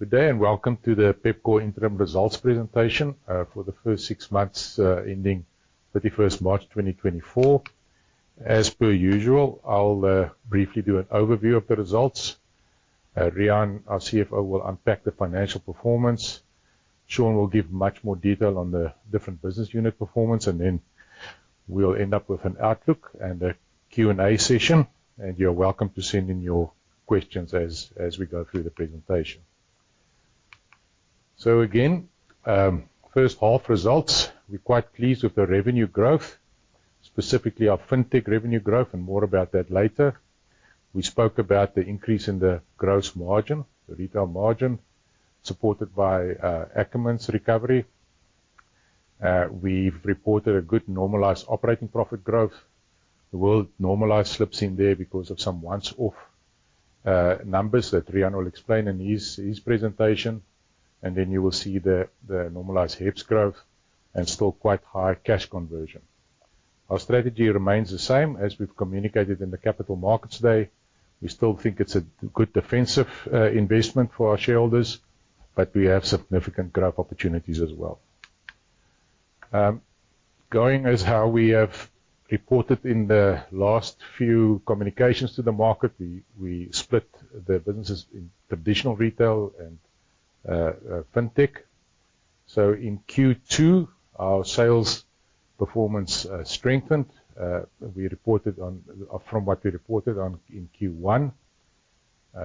Good day, and welcome to the Pepkor Interim Results presentation for the first six months ending 31st March 2024. As per usual, I'll briefly do an overview of the results. Rian, our CFO, will unpack the financial performance. Sean will give much more detail on the different business unit performance, and then we'll end up with an outlook and a Q&A session, and you're welcome to send in your questions as we go through the presentation. Again, first half results, we're quite pleased with the revenue growth, specifically our Fintech revenue growth, and more about that later. We spoke about the increase in the gross margin, the retail margin, supported by Ackermans recovery. We've reported a good normalized operating profit growth. The world normalized slips in there because of some once-off numbers that Rian will explain in his presentation, and then you will see the normalized HEPS growth and still quite high cash conversion. Our strategy remains the same as we've communicated in the capital markets today. We still think it's a good defensive investment for our shareholders, but we have significant growth opportunities as well. Going as how we have reported in the last few communications to the market, we split the businesses in traditional retail and Fintech. So in Q2, our sales performance strengthened from what we reported on in Q1.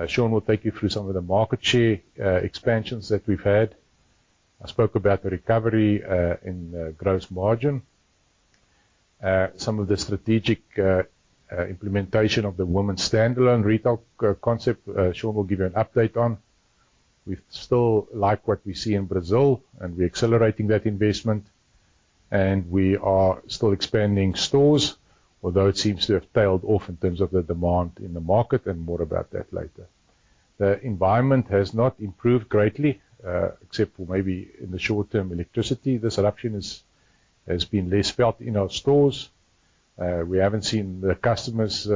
Sean will take you through some of the market share expansions that we've had. I spoke about the recovery in gross margin. Some of the strategic implementation of the women's standalone retail concept, Sean, will give you an update on. We still like what we see in Brazil, and we're accelerating that investment, and we are still expanding stores, although it seems to have tailed off in terms of the demand in the market, and more about that later. The environment has not improved greatly, except for maybe in the short term, electricity disruption has been less felt in our stores. We haven't seen the customers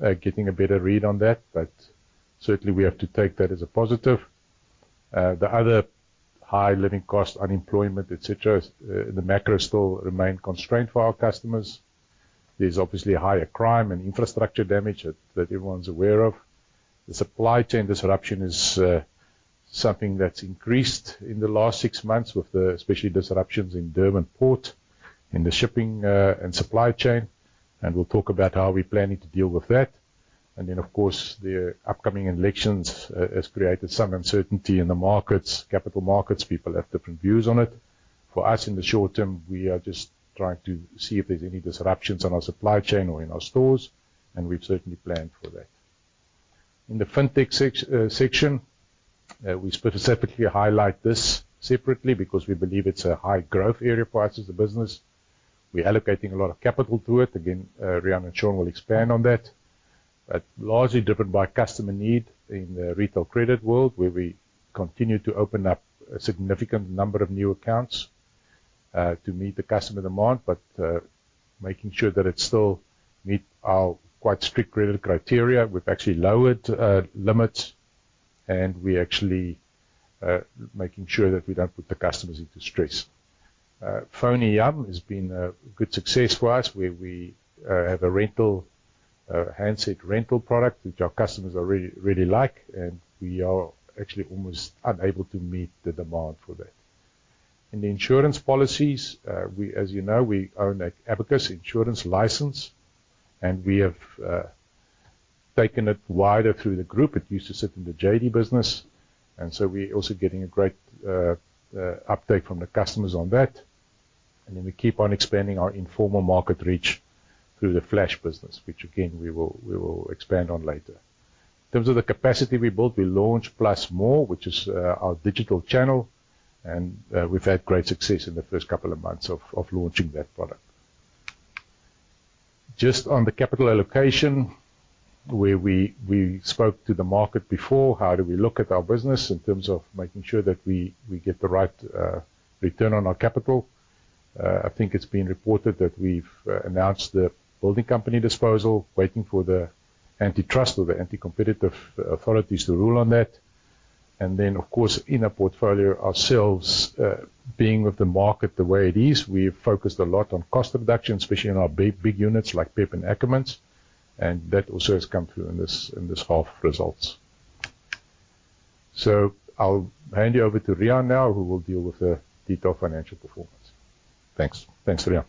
getting a better read on that, but certainly, we have to take that as a positive. The other high living cost, unemployment, et cetera, the macro still remain constrained for our customers. There's obviously a higher crime and infrastructure damage that everyone's aware of. The supply chain disruption is something that's increased in the last six months, with the especially disruptions in Durban Port, in the shipping, and supply chain, and we'll talk about how we're planning to deal with that. And then, of course, the upcoming elections has created some uncertainty in the markets, capital markets. People have different views on it. For us, in the short term, we are just trying to see if there's any disruptions in our supply chain or in our stores, and we've certainly planned for that. In the Fintech section, we specifically highlight this separately because we believe it's a high growth area for us as a business. We're allocating a lot of capital to it. Again, Rian and Sean will expand on that, but largely driven by customer need in the retail credit world, where we continue to open up a significant number of new accounts, to meet the customer demand, but, making sure that it still meet our quite strict credit criteria. We've actually lowered, limits, and we actually, making sure that we don't put the customers into stress. FoneYam has been a good success for us, where we, have a rental, handset rental product, which our customers already really like, and we are actually almost unable to meet the demand for that. In the insurance policies, we, as you know, we own Abacus insurance license, and we have, taken it wider through the group. It used to sit in the JD business, and so we're also getting a great uptake from the customers on that. And then we keep on expanding our informal market reach through the Flash business, which again, we will expand on later. In terms of the capacity we built, we launched +more, which is our digital channel, and we've had great success in the first couple of months of launching that product. Just on the capital allocation, where we spoke to the market before, how do we look at our business in terms of making sure that we get the right return on our capital? I think it's been reported that we've announced The Building Company disposal, waiting for the antitrust or the anti-competitive authorities to rule on that. And then, of course, in our portfolio ourselves, being with the market the way it is, we've focused a lot on cost reduction, especially in our big, big units like PEP and Ackermans, and that also has come through in this, in this half results. So I'll hand you over to Rian now, who will deal with the detailed financial performance. Thanks. Thanks, Rian.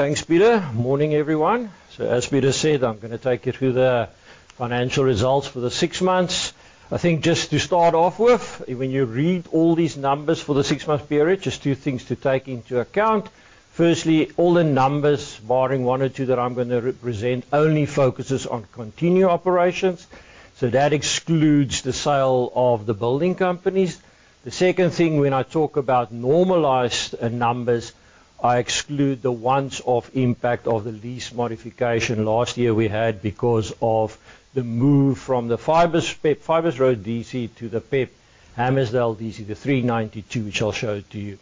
Thanks, Pieter. Morning, everyone. So, as Pieter said, I'm gonna take you through the financial results for the six months. I think just to start off with, when you read all these numbers for the six-month period, just two things to take into account: firstly, all the numbers, barring one or two, that I'm gonna present, only focuses on continuing operations, so that excludes the sale of The Building Company. The second thing, when I talk about normalized numbers, I exclude the one-off impact of the lease modification last year we had because of the move from the Fibers PEP, Fibers Road DC to the PEP Hammarsdale DC, the 392, which I'll show to you.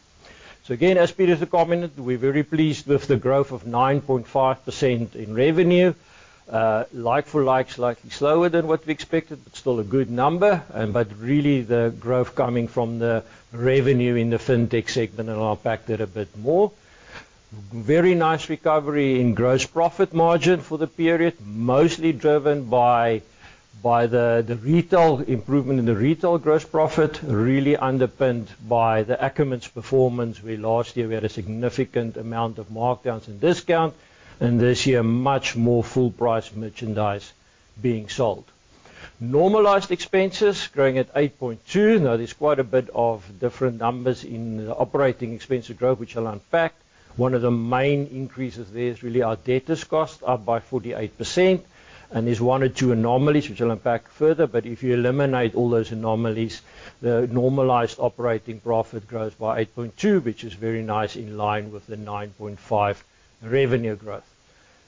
So again, as Pieter has commented, we're very pleased with the growth of 9.5% in revenue. Like for like, slightly slower than what we expected, but still a good number. But really the growth coming from the revenue in the Fintech segment, and I'll unpack that a bit more. Very nice recovery in gross profit margin for the period, mostly driven by the retail improvement in the retail gross profit, really underpinned by the Ackermans performance, where last year we had a significant amount of markdowns and discount, and this year, much more full price merchandise being sold. Normalized expenses growing at 8.2. Now, there's quite a bit of different numbers in the operating expense growth, which I'll unpack. One of the main increases there is really our debtors cost, up by 48%, and there's one or two anomalies, which I'll unpack further, but if you eliminate all those anomalies, the normalized operating profit grows by 8.2, which is very nice, in line with the 9.5 revenue growth.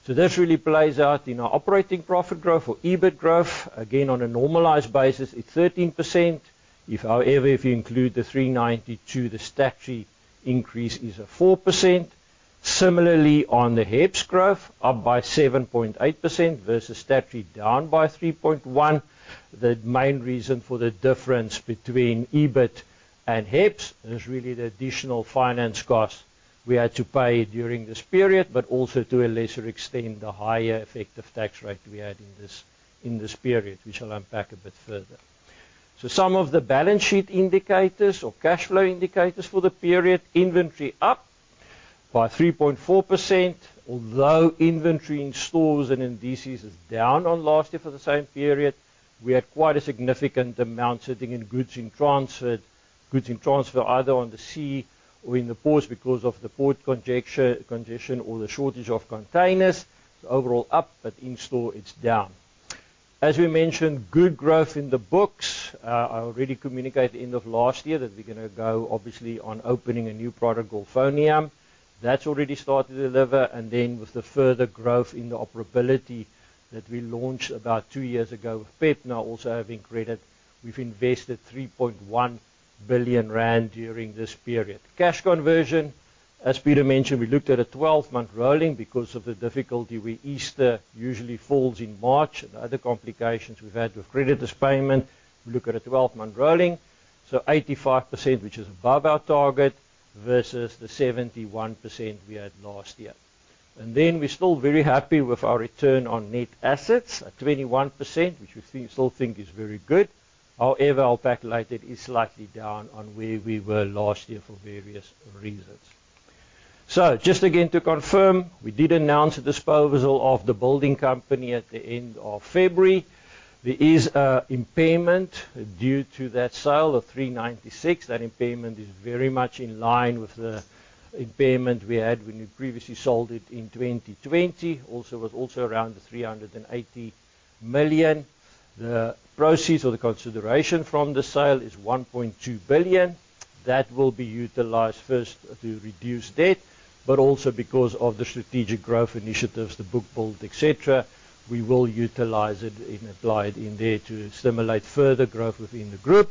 So this really plays out in our operating profit growth or EBIT growth. Again, on a normalized basis, it's 13%. If, however, you include the 392, the statutory increase is a 4%. Similarly, on the HEPS growth, up by 7.8% versus statutory, down by 3.1. The main reason for the difference between EBIT and HEPS is really the additional finance costs we had to pay during this period, but also, to a lesser extent, the higher effective tax rate we had in this period, which I'll unpack a bit further. So some of the balance sheet indicators or cash flow indicators for the period, inventory up by 3.4%, although inventory in stores and in DCs is down on last year for the same period. We had quite a significant amount sitting in goods in transfer, either on the sea or in the ports because of the port congestion or the shortage of containers. So overall up, but in store it's down. As we mentioned, good growth in the books. I already communicated at the end of last year that we're gonna go, obviously, on opening a new product, called FoneYam. That's already started to deliver, and then with the further growth in the operability that we launched about two years ago, Pep now also having created we've invested 3.1 billion rand during this period. Cash conversion, as Peter mentioned, we looked at a 12-month rolling because of the difficulty where Easter usually falls in March and other complications we've had with creditors' payment. We look at a 12-month rolling, so 85%, which is above our target, versus the 71% we had last year. And then we're still very happy with our return on net assets at 21%, which we think, still think is very good. However, I'll backlight it, is slightly down on where we were last year for various reasons. So just again to confirm, we did announce the disposal of The Building Company at the end of February. There is an impairment due to that sale of 396 million. That impairment is very much in line with the impairment we had when we previously sold it in 2020. Also, it was also around the 380 million. The proceeds or the consideration from the sale is 1.2 billion. That will be utilized first to reduce debt, but also because of the strategic growth initiatives, the book build, et cetera, we will utilize it and apply it in there to stimulate further growth within the group.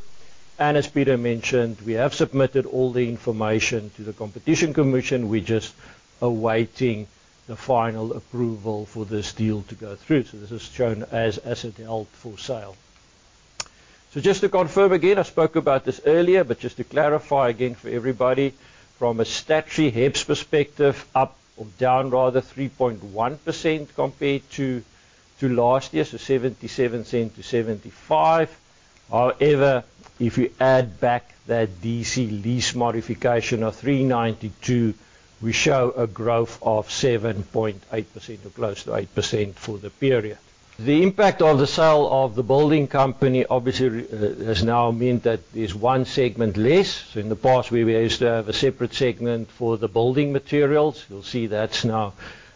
And as Pieter mentioned, we have submitted all the information to the Competition Commission. We're just awaiting the final approval for this deal to go through. So this is shown as, as at hold for sale. So just to confirm again, I spoke about this earlier, but just to clarify again for everybody, from a statutory HEPS perspective, up or down, rather 3.1% compared to last year, so 0.77 to 0.75. However, if you add back that DC lease modification of 392, we show a growth of 7.8% or close to 8% for the period. The impact of the sale of the building company, obviously, has now meant that there's one segment less. So in the past, we were used to have a separate segment for the building materials. You'll see that's now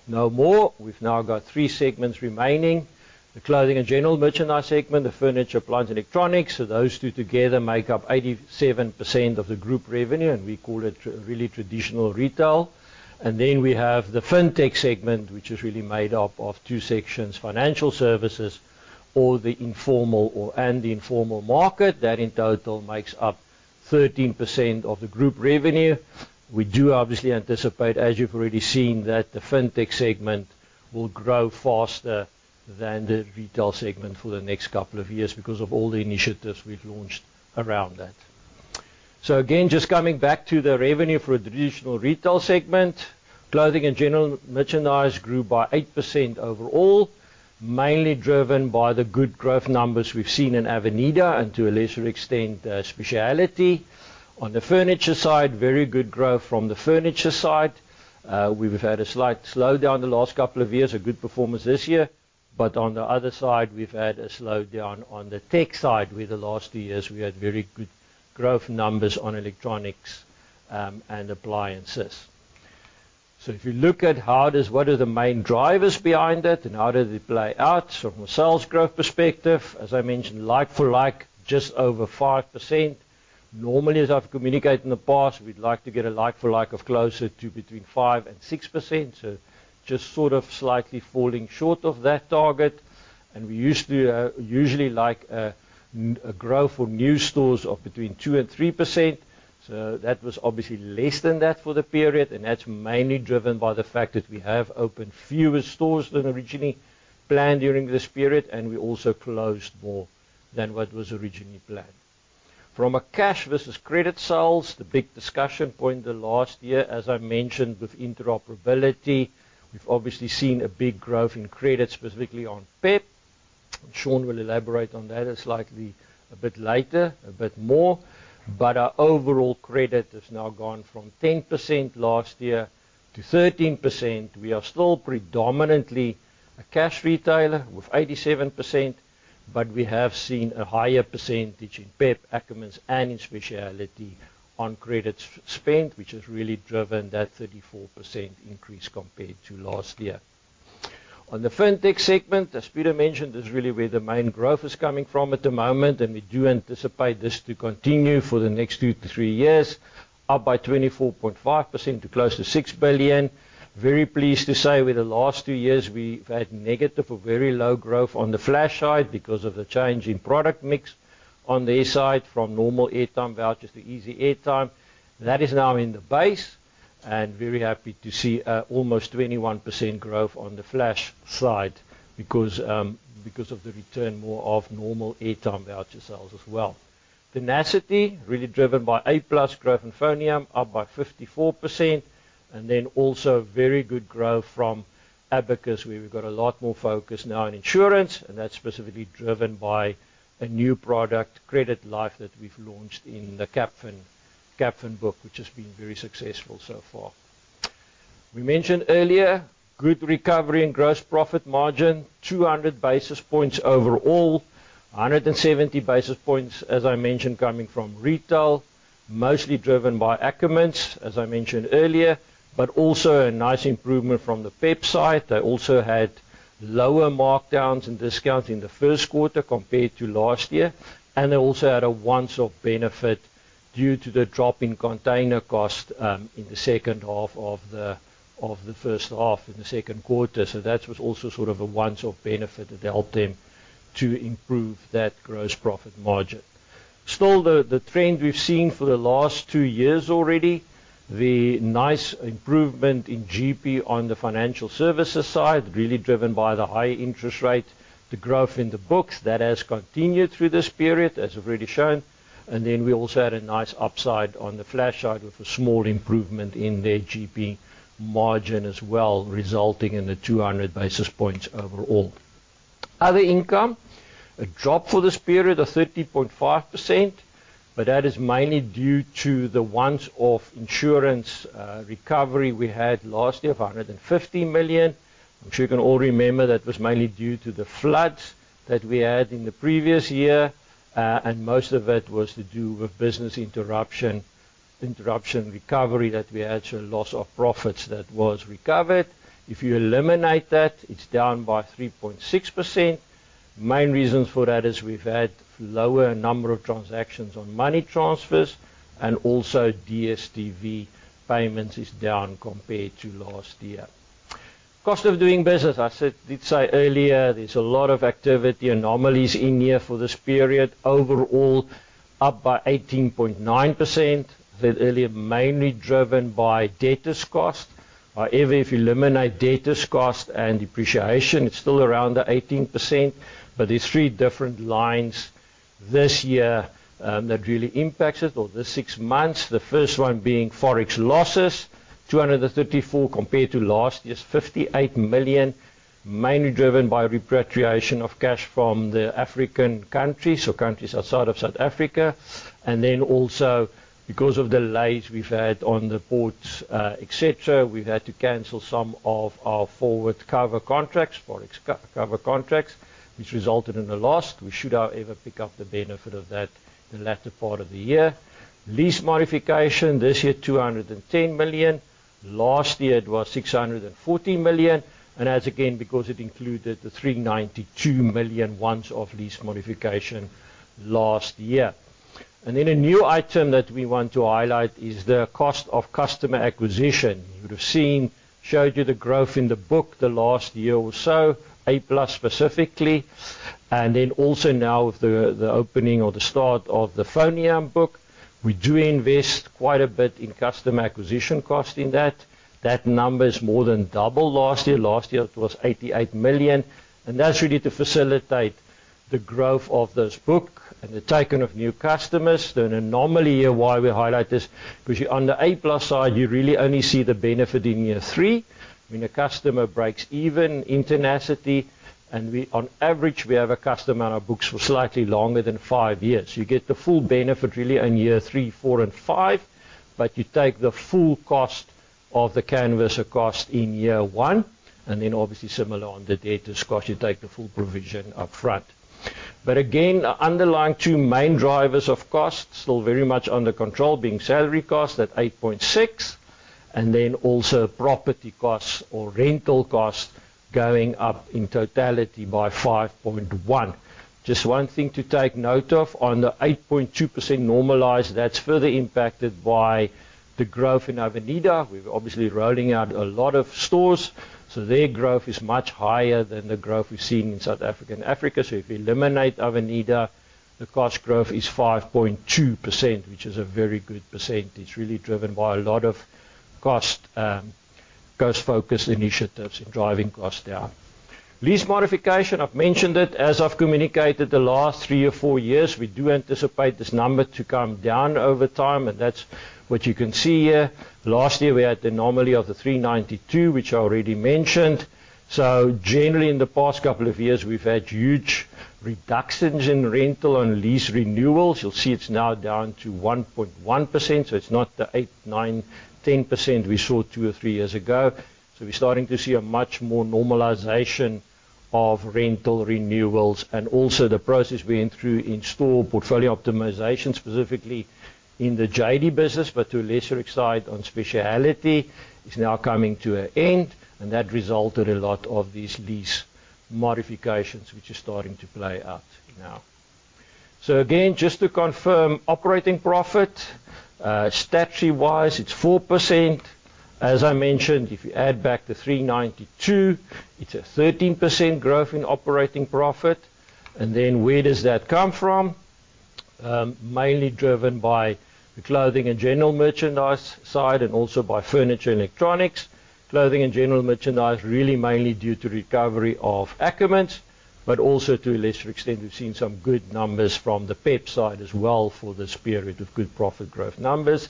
no more. We've now got three segments remaining: the clothing and general merchandise segment, the furniture, appliance, and electronics. So those two together make up 87% of the group revenue, and we call it really traditional retail. We have the Fintech segment, which is really made up of two sections: financial services and the informal market. That in total makes up 13% of the group revenue. We do obviously anticipate, as you've already seen, that the Fintech segment will grow faster than the retail segment for the next couple of years because of all the initiatives we've launched around that. So again, just coming back to the revenue for traditional retail segment, clothing and general merchandise grew by 8% overall, mainly driven by the good growth numbers we've seen in Avenida and to a lesser extent, Speciality. On the furniture side, very good growth from the furniture side. We've had a slight slowdown the last couple of years, a good performance this year, but on the other side, we've had a slowdown on the tech side, where the last two years we had very good growth numbers on electronics and appliances. So if you look at what are the main drivers behind it and how do they play out? So from a sales growth perspective, as I mentioned, like for like, just over 5%. Normally, as I've communicated in the past, we'd like to get a like for like of closer to between 5% and 6%, so just sort of slightly falling short of that target. We usually like a growth for new stores of between 2% and 3%. So that was obviously less than that for the period, and that's mainly driven by the fact that we have opened fewer stores than originally planned during this period, and we also closed more than what was originally planned. From a cash versus credit sales, the big discussion point the last year, as I mentioned, with interoperability, we've obviously seen a big growth in credit, specifically on PEP. And Sean will elaborate on that slightly a bit later, a bit more. But our overall credit has now gone from 10% last year to 13%. We are still predominantly a cash retailer with 87%, but we have seen a higher percentage in PEP, Ackermans, and in Speciality on credit spend, which has really driven that 34% increase compared to last year. On the Fintech segment, as Pieter mentioned, is really where the main growth is coming from at the moment, and we do anticipate this to continue for the next two-three years, up by 24.5% to close to 6 billion. Very pleased to say, with the last two years, we've had negative or very low growth on the Flash side because of the change in product mix on their side from normal airtime vouchers to easy airtime. That is now in the base, and very happy to see almost 21% growth on the Flash side because of the return more of normal airtime voucher sales as well. Tenacity, really driven by A+ growth in FoneYam, up by 54%, and then also very good growth from Abacus, where we've got a lot more focus now on insurance, and that's specifically driven by a new product, Credit Life, that we've launched in the Capfin, Capfin book, which has been very successful so far. We mentioned earlier, good recovery in gross profit margin, 200 basis points overall, 170 basis points, as I mentioned, coming from retail, mostly driven by Ackermans, as I mentioned earlier, but also a nice improvement from the PEP side. They also had lower markdowns and discounts in the first quarter compared to last year, and they also had a once-off benefit due to the drop in container cost, in the second half of the first half, in the second quarter. So that was also sort of a once-off benefit that helped them to improve that gross profit margin. Still, the trend we've seen for the last two years already, the nice improvement in GP on the financial services side, really driven by the high interest rate, the growth in the books, that has continued through this period, as we've already shown. And then we also had a nice upside on the Flash side, with a small improvement in their GP margin as well, resulting in the 200 basis points overall. Other income, a drop for this period of 30.5%, but that is mainly due to the once-off insurance recovery we had last year of 150 million. I'm sure you can all remember that was mainly due to the floods that we had in the previous year, and most of it was to do with business interruption, interruption recovery that we had, so a loss of profits that was recovered. If you eliminate that, it's down by 3.6%. Main reasons for that is we've had lower number of transactions on money transfers, and also DSTV payments is down compared to last year. Cost of doing business, I said did say earlier, there's a lot of activity anomalies in here for this period. Overall, up by 18.9%, said earlier, mainly driven by debtors' cost. However, if you eliminate debtors' cost and depreciation, it's still around the 18%, but there's three different lines this year, that really impacts it, or this six months. The first one being Forex losses, 234 million compared to last year's 58 million, mainly driven by repatriation of cash from the African countries, so countries outside of South Africa. Then also because of the delays we've had on the ports, etc., we've had to cancel some of our forward cover contracts, Forex cover contracts, which resulted in a loss. We should, however, pick up the benefit of that in the latter part of the year. Lease modification, this year, 210 million. Last year, it was 640 million, and that's again, because it included the 392 million once-off lease modification last year. Then a new item that we want to highlight is the cost of customer acquisition. You would have seen, showed you the growth in the book the last year or so, A+ specifically, and then also now with the opening or the start of the FoneYam book, we do invest quite a bit in customer acquisition cost in that. That number is more than double last year. Last year, it was 88 million, and that's really to facilitate the growth of this book and the taking of new customers. There an anomaly here, why we highlight this, because on the A+ side, you really only see the benefit in year three, when a customer breaks even in Tenacity, and we, on average, have a customer on our books for slightly longer than five years. You get the full benefit really in year 3, 4, and 5, but you take the full cost of the canvasser cost in year 1, and then obviously similar on the debtors cost, you take the full provision upfront. But again, underlying two main drivers of cost, still very much under control, being salary costs at 8.6%, and then also property costs or rental costs going up in totality by 5.1%. Just one thing to take note of, on the 8.2% normalized, that's further impacted by the growth in Avenida, we're obviously rolling out a lot of stores, so their growth is much higher than the growth we've seen in South Africa and Africa. So if you eliminate Avenida, the cost growth is 5.2%, which is a very good percentage, really driven by a lot of cost, cost-focused initiatives in driving costs down. Lease modification, I've mentioned it. As I've communicated the last three or four years, we do anticipate this number to come down over time, and that's what you can see here. Last year, we had the anomaly of the 3.92, which I already mentioned. So generally, in the past couple of years, we've had huge reductions in rental and lease renewals. You'll see it's now down to 1.1%, so it's not the 8, 9, 10% we saw two or three years ago. So we're starting to see a much more normalization of rental renewals and also the process we went through in store portfolio optimization, specifically in the JD business, but to a lesser extent on specialty. It's now coming to an end, and that resulted in a lot of these lease modifications, which are starting to play out now. So again, just to confirm, operating profit, statutory-wise, it's 4%. As I mentioned, if you add back the 392, it's a 13% growth in operating profit. And then where does that come from? Mainly driven by the clothing and general merchandise side and also by furniture and electronics. Clothing and general merchandise, really mainly due to recovery of Ackermans, but also to a lesser extent, we've seen some good numbers from the PEP side as well for this period of good profit growth numbers.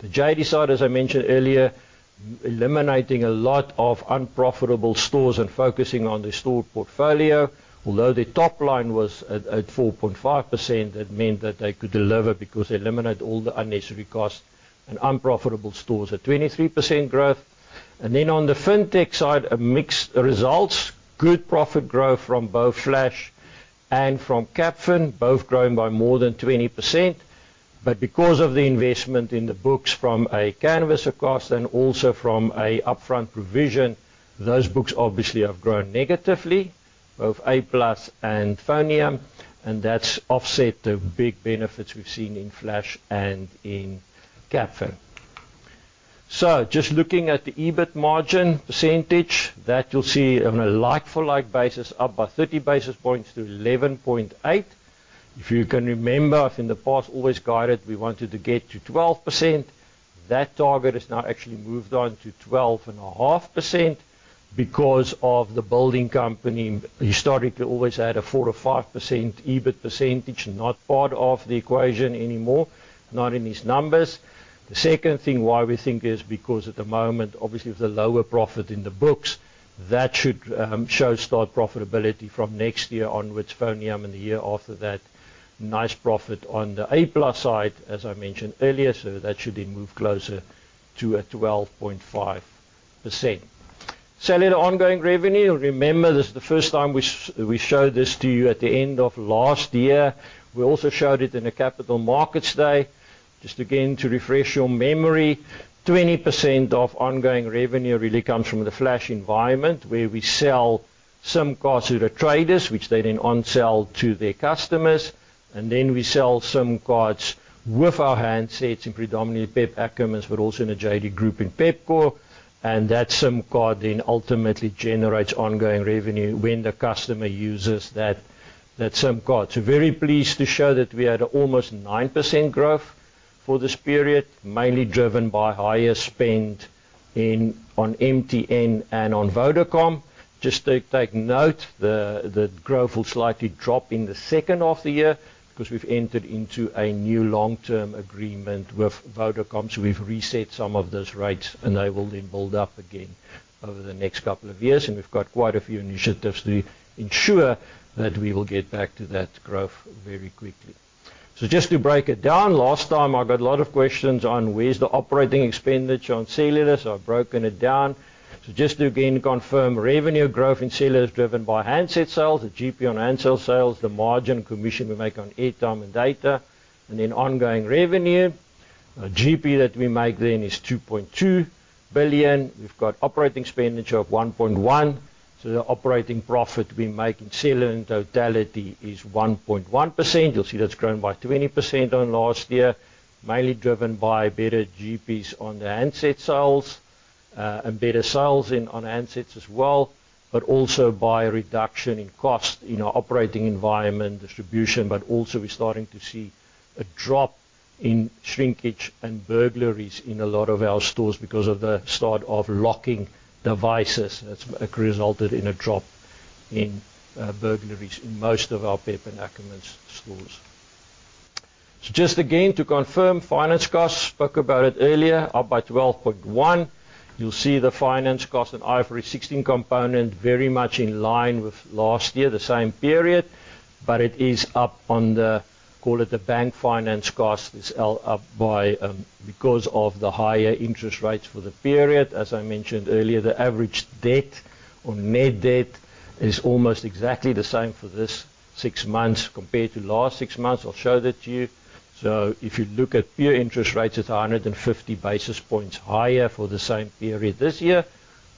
The JD side, as I mentioned earlier, eliminating a lot of unprofitable stores and focusing on the store portfolio, although their top line was at 4.5%, that meant that they could deliver because they eliminated all the unnecessary costs and unprofitable stores at 23% growth. Then on the Fintech side, mixed results, good profit growth from both Flash and from Capfin, both growing by more than 20%. But because of the investment in the books from a canvas of cost and also from an upfront provision, those books obviously have grown negatively, both A+ and FoneYam, and that's offset the big benefits we've seen in Flash and in Capfin. Just looking at the EBIT margin percentage, that you'll see on a like-for-like basis, up by 30 basis points to 11.8%. If you can remember, in the past, always guided, we wanted to get to 12%. That target is now actually moved on to 12.5% because of The Building Company. Historically, always had a 4%-5% EBIT percentage, not part of the equation anymore, not in these numbers. The second thing why we think is because at the moment, obviously, with the lower profit in the books, that should show start profitability from next year onwards, FoneYam, and the year after that, nice profit on the A+ side, as I mentioned earlier, so that should then move closer to a 12.5%. Cellular ongoing revenue, remember, this is the first time we showed this to you at the end of last year. We also showed it in a Capital Markets Day. Just again, to refresh your memory, 20% of ongoing revenue really comes from the Flash environment, where we sell SIM cards to the traders, which they then onsell to their customers. Then we sell SIM cards with our handsets in predominantly PEP, Ackermans, but also in the JD Group in PEPCO, and that SIM card then ultimately generates ongoing revenue when the customer uses that, that SIM card. Very pleased to show that we had almost 9% growth for this period, mainly driven by higher spend in, on MTN and on Vodacom. Just to take note, the growth will slightly drop in the second half of the year because we've entered into a new long-term agreement with Vodacom, so we've reset some of those rates, and they will then build up again over the next couple of years, and we've got quite a few initiatives to ensure that we will get back to that growth very quickly. So just to break it down, last time, I got a lot of questions on: Where's the operating expenditure on cellular? So I've broken it down. So just to again confirm, revenue growth in cellular is driven by handset sales, the GP on handset sales, the margin commission we make on airtime and data, and then ongoing revenue. GP that we make then is 2.2 billion. We've got operating expenditure of 1.1, so the operating profit we make in cellular in totality is 1.1%. You'll see that's grown by 20% on last year, mainly driven by better GPs on the handset sales, and better sales in, on handsets as well, but also by a reduction in cost in our operating environment, distribution, but also we're starting to see a drop in shrinkage and burglaries in a lot of our stores because of the start of locking devices. That's resulted in a drop in burglaries in most of our PEP and Ackermans stores. So just again, to confirm, finance costs, spoke about it earlier, up by 12.1. You'll see the finance cost and IFRS 16 component very much in line with last year, the same period, but it is up on the, call it, the bank finance cost is up by because of the higher interest rates for the period. As I mentioned earlier, the average debt or net debt is almost exactly the same for this six months compared to last six months. I'll show that to you. So if you look at pure interest rates, it's 150 basis points higher for the same period this year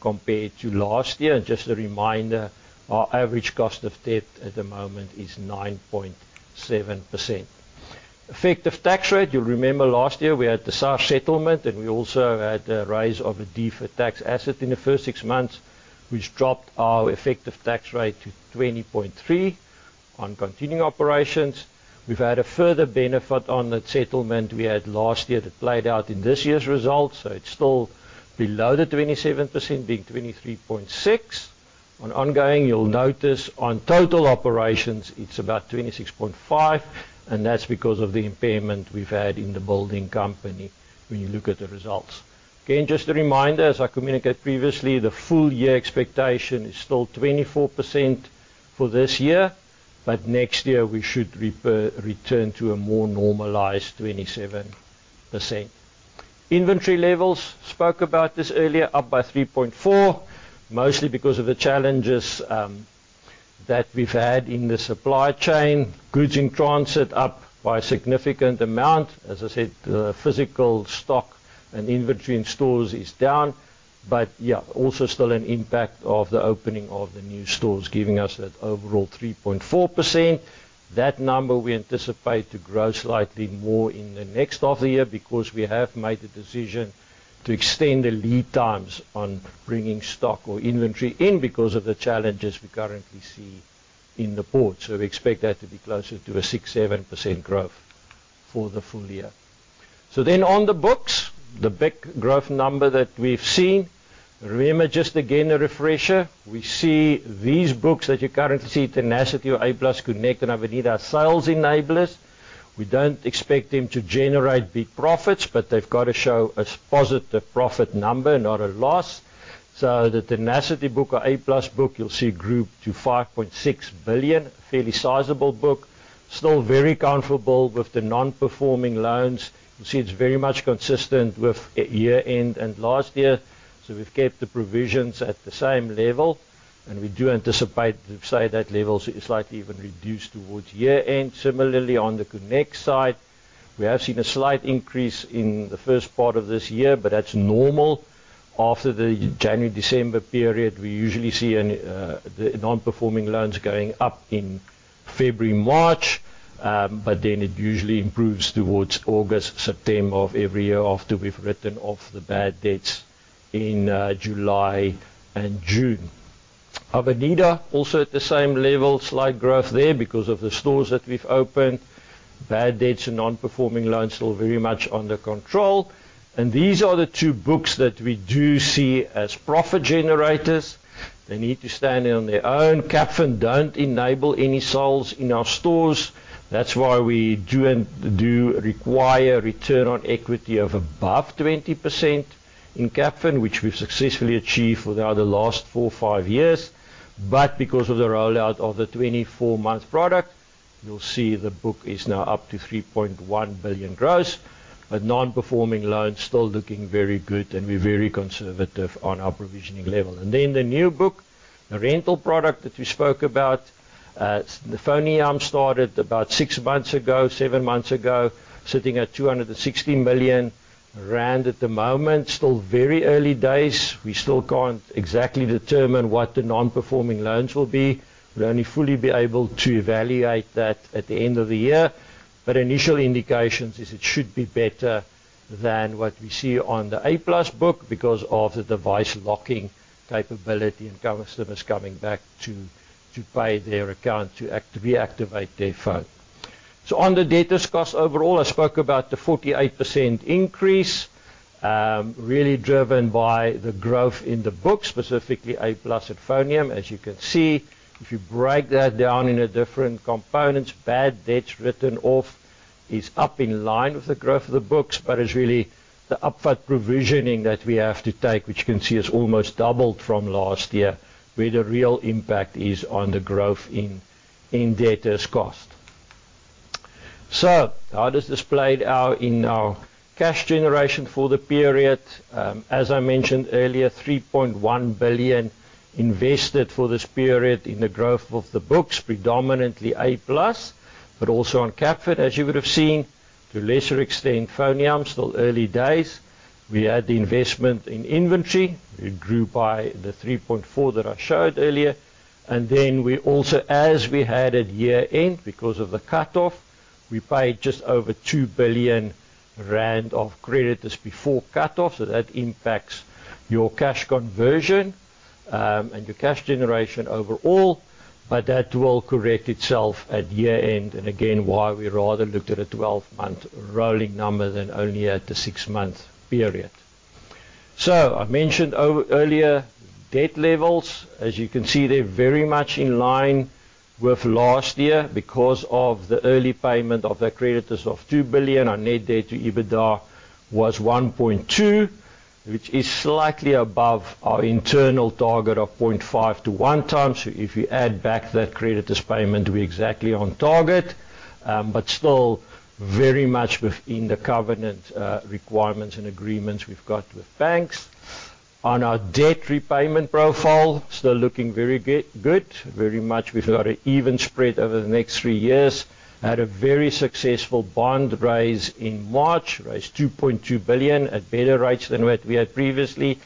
compared to last year. And just a reminder, our average cost of debt at the moment is 9.7%. Effective tax rate, you'll remember last year we had the SARS settlement, and we also had a rise of a deferred tax asset in the first six months, which dropped our effective tax rate to 20.3% on continuing operations. We've had a further benefit on that settlement we had last year that played out in this year's results, so it's still below the 27%, being 23.6%. On ongoing, you'll notice on total operations, it's about 26.5%, and that's because of the impairment we've had in The Building Company when you look at the results. Again, just a reminder, as I communicated previously, the full year expectation is still 24% for this year, but next year we should return to a more normalized 27%. Inventory levels, spoke about this earlier, up by 3.4, mostly because of the challenges that we've had in the supply chain. Goods in transit up by a significant amount. As I said, the physical stock and inventory in stores is down, but yeah, also still an impact of the opening of the new stores, giving us that overall 3.4%. That number we anticipate to grow slightly more in the next half of the year because we have made the decision to extend the lead times on bringing stock or inventory in because of the challenges we currently see in the port. So we expect that to be closer to a 6-7% growth for the full year. So then on the books, the big growth number that we've seen. Remember, just again, a refresher, we see these books that you currently see, Tenacity or A+ Connect and Avenida, are sales enablers. We don't expect them to generate big profits, but they've got to show a positive profit number, not a loss. So the Tenacity book or A+ book, you'll see, grew to 5.6 billion, fairly sizable book. Still very comfortable with the non-performing loans. You see, it's very much consistent with year-end and last year, so we've kept the provisions at the same level, and we do anticipate to say that level is slightly even reduced towards year-end. Similarly, on the Connect side, we have seen a slight increase in the first part of this year, but that's normal. After the January, December period, we usually see an, the non-performing loans going up in February, March, but then it usually improves towards August, September of every year, after we've written off the bad debts in, July and June. Avenida, also at the same level, slight growth there because of the stores that we've opened. Bad debts and non-performing loans still very much under control. And these are the two books that we do see as profit generators. They need to stand on their own. Capfin don't enable any sales in our stores. That's why we do and, do require return on equity of above 20% in Capfin, which we've successfully achieved for now the last four, five years. But because of the rollout of the 24-month product, you'll see the book is now up to 3.1 billion gross, but non-performing loans still looking very good, and we're very conservative on our provisioning level. Then the new book, the rental product that we spoke about, the FoneYam started about six months ago, seven months ago, sitting at 260 million rand at the moment. Still very early days. We still can't exactly determine what the non-performing loans will be. We'll only fully be able to evaluate that at the end of the year. But initial indications is it should be better than what we see on the A+ book because of the device locking capability and customers coming back to pay their account, to reactivate their phone. On the debtors cost, overall, I spoke about the 48% increase, really driven by the growth in the book, specifically A+ and FoneYam. As you can see, if you break that down into different components, bad debts written off is up in line with the growth of the books, but it's really the upward provisioning that we have to take, which you can see is almost doubled from last year, where the real impact is on the growth in, in debtors' cost. How does this played out in our cash generation for the period? As I mentioned earlier, 3.1 billion invested for this period in the growth of the books, predominantly A+, but also on Capfin, as you would have seen. To a lesser extent, FoneYam, still early days. We had the investment in inventory. It grew by the 3.4 that I showed earlier. Then we also, as we had at year-end, because of the cutoff, we paid just over 2 billion rand of creditors before cutoff. So that impacts your cash conversion, and your cash generation overall, but that will correct itself at year-end, and again, why we rather looked at a 12-month rolling number than only at the 6-month period. So I mentioned earlier, debt levels. As you can see, they're very much in line with last year because of the early payment of the creditors of 2 billion. Our net debt to EBITDA was 1.2, which is slightly above our internal target of 0.5-1 times. So if you add back that creditors payment, we're exactly on target, but still very much within the covenant requirements and agreements we've got with banks. On our debt repayment profile, still looking very good. Very much, we've got an even spread over the next three years. Had a very successful bond raise in March, raised 2.2 billion at better rates than what we had previously,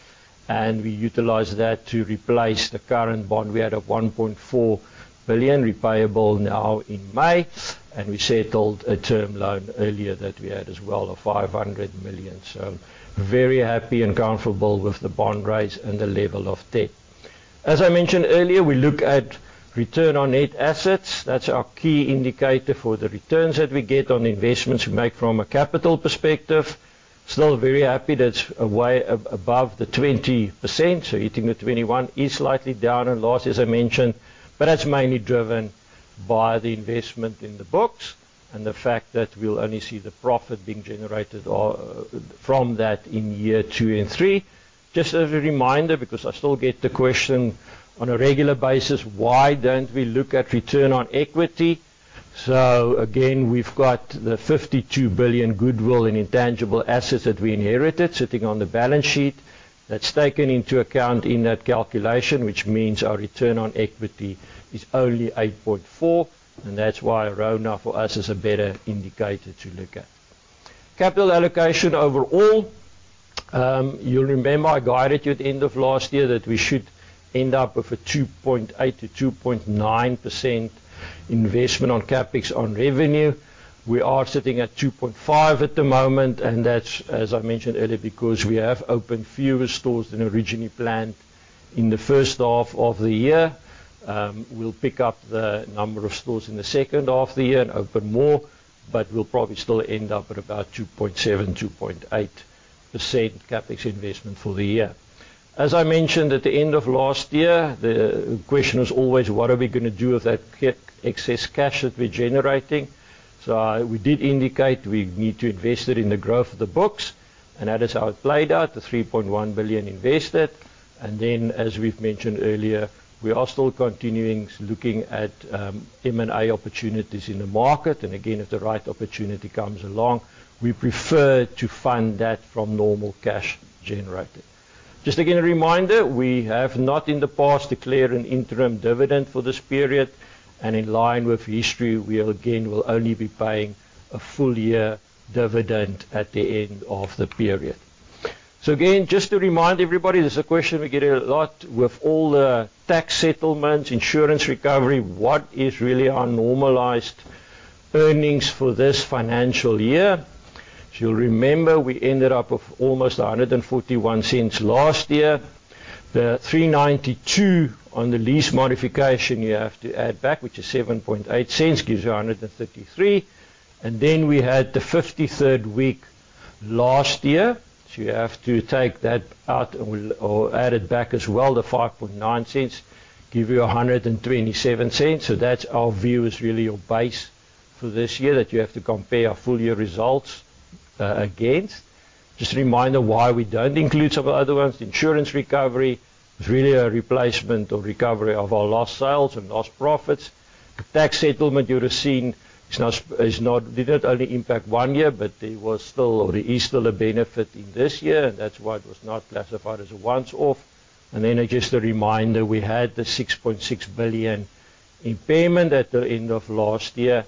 and we utilized that to replace the current bond. We had a 1.4 billion repayable now in May, and we settled a term loan earlier that we had as well, of 500 million. So very happy and comfortable with the bond rates and the level of debt. As I mentioned earlier, we look at return on net assets. That's our key indicator for the returns that we get on the investments we make from a capital perspective. Still very happy that's way above the 20%, so hitting the 21% is slightly down on last, as I mentioned, but that's mainly driven by the investment in the books and the fact that we'll only see the profit being generated from that in year two and three. Just as a reminder, because I still get the question on a regular basis, why don't we look at return on equity? So again, we've got the 52 billion goodwill and intangible assets that we inherited, sitting on the balance sheet. That's taken into account in that calculation, which means our return on equity is only 8.4%, and that's why RONA for us is a better indicator to look at. Capital allocation overall, you'll remember I guided you at the end of last year that we should end up with a 2.8%-2.9% investment on CapEx on revenue. We are sitting at 2.5% at the moment, and that's, as I mentioned earlier, because we have opened fewer stores than originally planned in the first half of the year. We'll pick up the number of stores in the second half of the year and open more, but we'll probably still end up at about 2.7%-2.8% CapEx investment for the year. As I mentioned at the end of last year, the question is always: what are we gonna do with that excess cash that we're generating? So, we did indicate we need to invest it in the growth of the books, and that is how it played out, the 3.1 billion invested. And then, as we've mentioned earlier, we are still continuing looking at M&A opportunities in the market. And again, if the right opportunity comes along, we prefer to fund that from normal cash generated. Just again, a reminder, we have not in the past declared an interim dividend for this period, and in line with history, we again will only be paying a full-year dividend at the end of the period. So again, just to remind everybody, this is a question we get a lot with all the tax settlements, insurance recovery, what is really our normalized earnings for this financial year? If you'll remember, we ended up with almost 141 cents last year. The 392 on the lease modification you have to add back, which is 0.078, gives you 133. And then we had the 53rd week last year, so you have to take that out or, or add it back as well, the 5.9 cents, give you 127 cents. So that's our view, is really your base for this year, that you have to compare our full year results against. Just a reminder why we don't include some of the other ones. Insurance recovery is really a replacement or recovery of our lost sales and lost profits. The tax settlement you're seeing is not, is not, didn't only impact one year, but there was still or there is still a benefit in this year, and that's why it was not classified as a once off. And then just a reminder, we had the 6.6 billion impairment at the end of last year,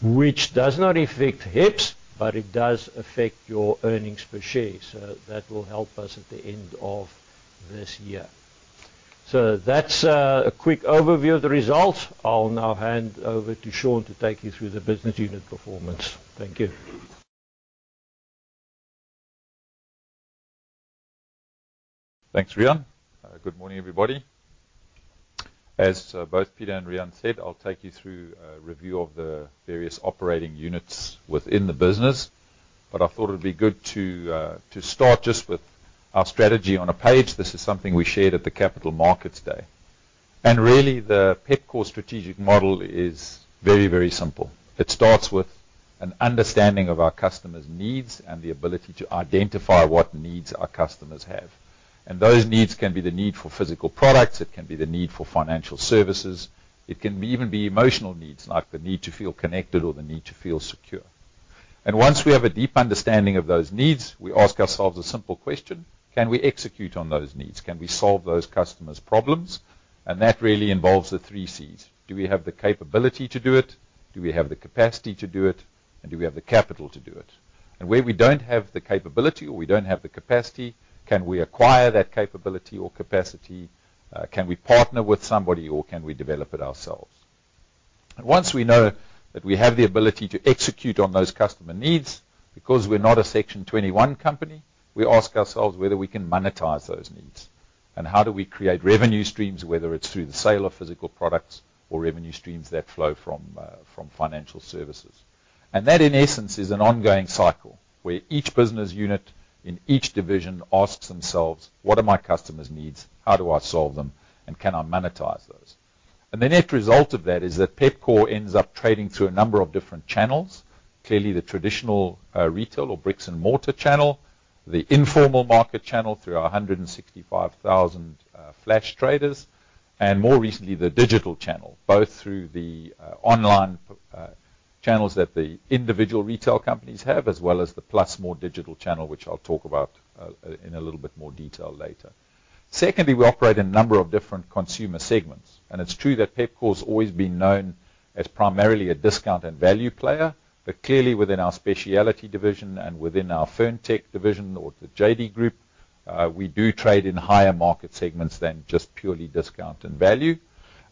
which does not affect HEPS, but it does affect your earnings per share. So that will help us at the end of this year. So that's a quick overview of the results. I'll now hand over to Sean to take you through the business unit performance. Thank you. Thanks, Rian. Good morning, everybody. As both Pieter and Rian said, I'll take you through a review of the various operating units within the business, but I thought it would be good to start just with our strategy on a page. This is something we shared at the Capital Markets Day. Really, the Pepkor strategic model is very, very simple. It starts with an understanding of our customers' needs and the ability to identify what needs our customers have. Those needs can be the need for physical products, it can be the need for financial services, it can even be emotional needs, like the need to feel connected or the need to feel secure. Once we have a deep understanding of those needs, we ask ourselves a simple question: Can we execute on those needs? Can we solve those customers' problems? That really involves the three Cs. Do we have the capability to do it? Do we have the capacity to do it? And do we have the capital to do it? And where we don't have the capability or we don't have the capacity, can we acquire that capability or capacity? Can we partner with somebody, or can we develop it ourselves? And once we know that we have the ability to execute on those customer needs, because we're not a Section 21 company, we ask ourselves whether we can monetize those needs. And how do we create revenue streams, whether it's through the sale of physical products or revenue streams that flow from financial services. And that, in essence, is an ongoing cycle, where each business unit in each division asks themselves: What are my customers' needs? How do I solve them? Can I monetize those? The net result of that is that Pepkor ends up trading through a number of different channels. Clearly, the traditional retail or bricks-and-mortar channel, the informal market channel, through our 165,000 Flash traders, and more recently, the digital channel, both through the online channels that the individual retail companies have, as well as the +more digital channel, which I'll talk about in a little bit more detail later. Secondly, we operate in a number of different consumer segments, and it's true that Pepkor's always been known as primarily a discount and value player, but clearly within our specialty division and within our FinTech division or the JD Group, we do trade in higher market segments than just purely discount and value.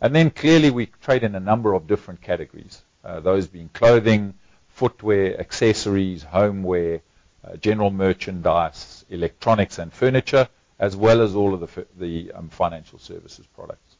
Then clearly, we trade in a number of different categories, those being clothing, footwear, accessories, homeware, general merchandise, electronics and furniture, as well as all of the financial services products.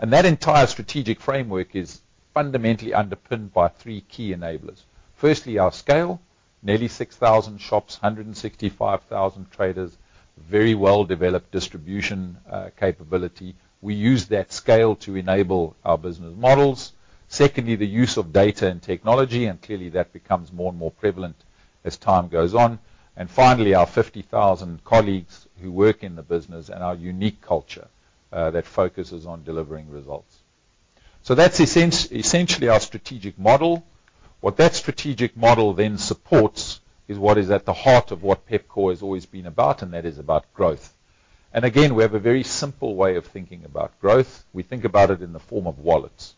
That entire strategic framework is fundamentally underpinned by three key enablers. Firstly, our scale. Nearly 6,000 shops, 165,000 traders, very well-developed distribution capability. We use that scale to enable our business models. Secondly, the use of data and technology, and clearly that becomes more and more prevalent as time goes on. Finally, our 50,000 colleagues who work in the business, and our unique culture that focuses on delivering results. That's essentially our strategic model. What that strategic model then supports is what is at the heart of what Pepkor has always been about, and that is about growth. Again, we have a very simple way of thinking about growth. We think about it in the form of wallets.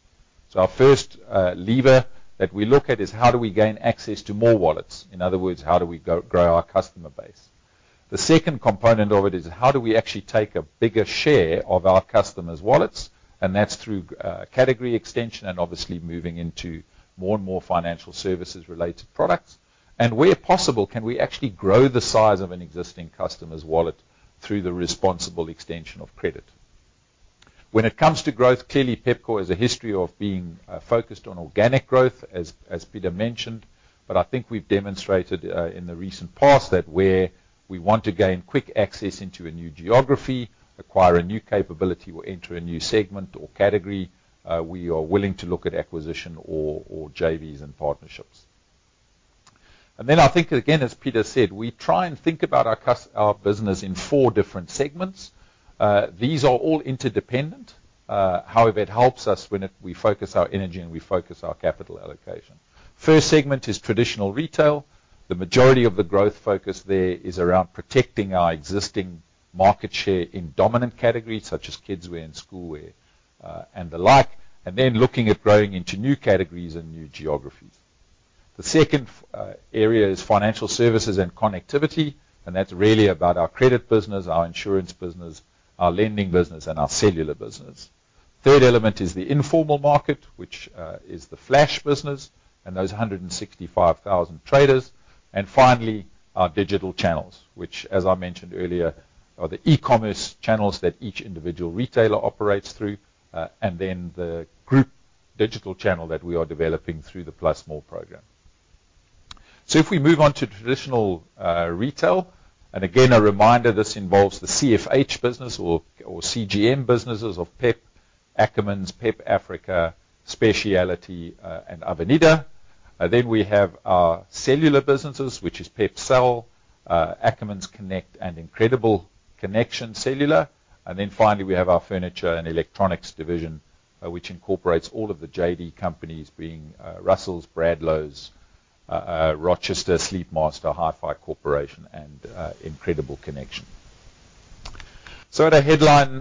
So our first lever that we look at is: How do we gain access to more wallets? In other words, how do we grow our customer base? The second component of it is: How do we actually take a bigger share of our customers' wallets? And that's through category extension and obviously moving into more and more financial services-related products. And where possible, can we actually grow the size of an existing customer's wallet through the responsible extension of credit? When it comes to growth, clearly, Pepkor has a history of being focused on organic growth, as Pieter mentioned, but I think we've demonstrated in the recent past that where we want to gain quick access into a new geography, acquire a new capability, or enter a new segment or category, we are willing to look at acquisition or JVs and partnerships. And then I think, again, as Pieter said, we try and think about our business in four different segments. These are all interdependent. However, it helps us when it we focus our energy and we focus our capital allocation. First segment is traditional retail. The majority of the growth focus there is around protecting our existing market share in dominant categories, such as kidswear and schoolwear, and the like, and then looking at growing into new categories and new geographies. The second area is financial services and connectivity, and that's really about our credit business, our insurance business, our lending business, and our cellular business. Third element is the informal market, which is the Flash business and those 165,000 traders. And finally, our digital channels, which, as I mentioned earlier, are the e-commerce channels that each individual retailer operates through, and then the group digital channel that we are developing through the +more program. So if we move on to traditional retail, and again, a reminder, this involves the CFH business or CGM businesses of PEP, Ackermans, PEP Africa, Speciality, and Avenida. Then we have our cellular businesses, which is PEP Cell, Ackermans Connect, and Incredible Connection cellular. And then finally, we have our furniture and electronics division, which incorporates all of the JD companies, being Russells, Bradlows, Rochester, Sleepmasters, HiFi Corp, and Incredible Connection. So at a headline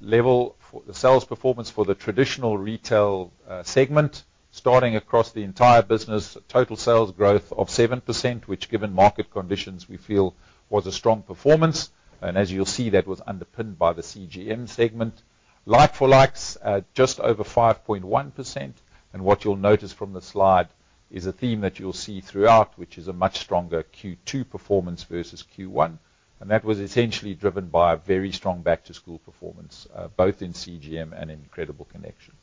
level, for the sales performance for the traditional retail segment, starting across the entire business, total sales growth of 7%, which, given market conditions, we feel was a strong performance, and as you'll see, that was underpinned by the CGM segment. Like-for-likes at just over 5.1%, and what you'll notice from the slide is a theme that you'll see throughout, which is a much stronger Q2 performance versus Q1, and that was essentially driven by a very strong back-to-school performance both in CGM and in Incredible Connection.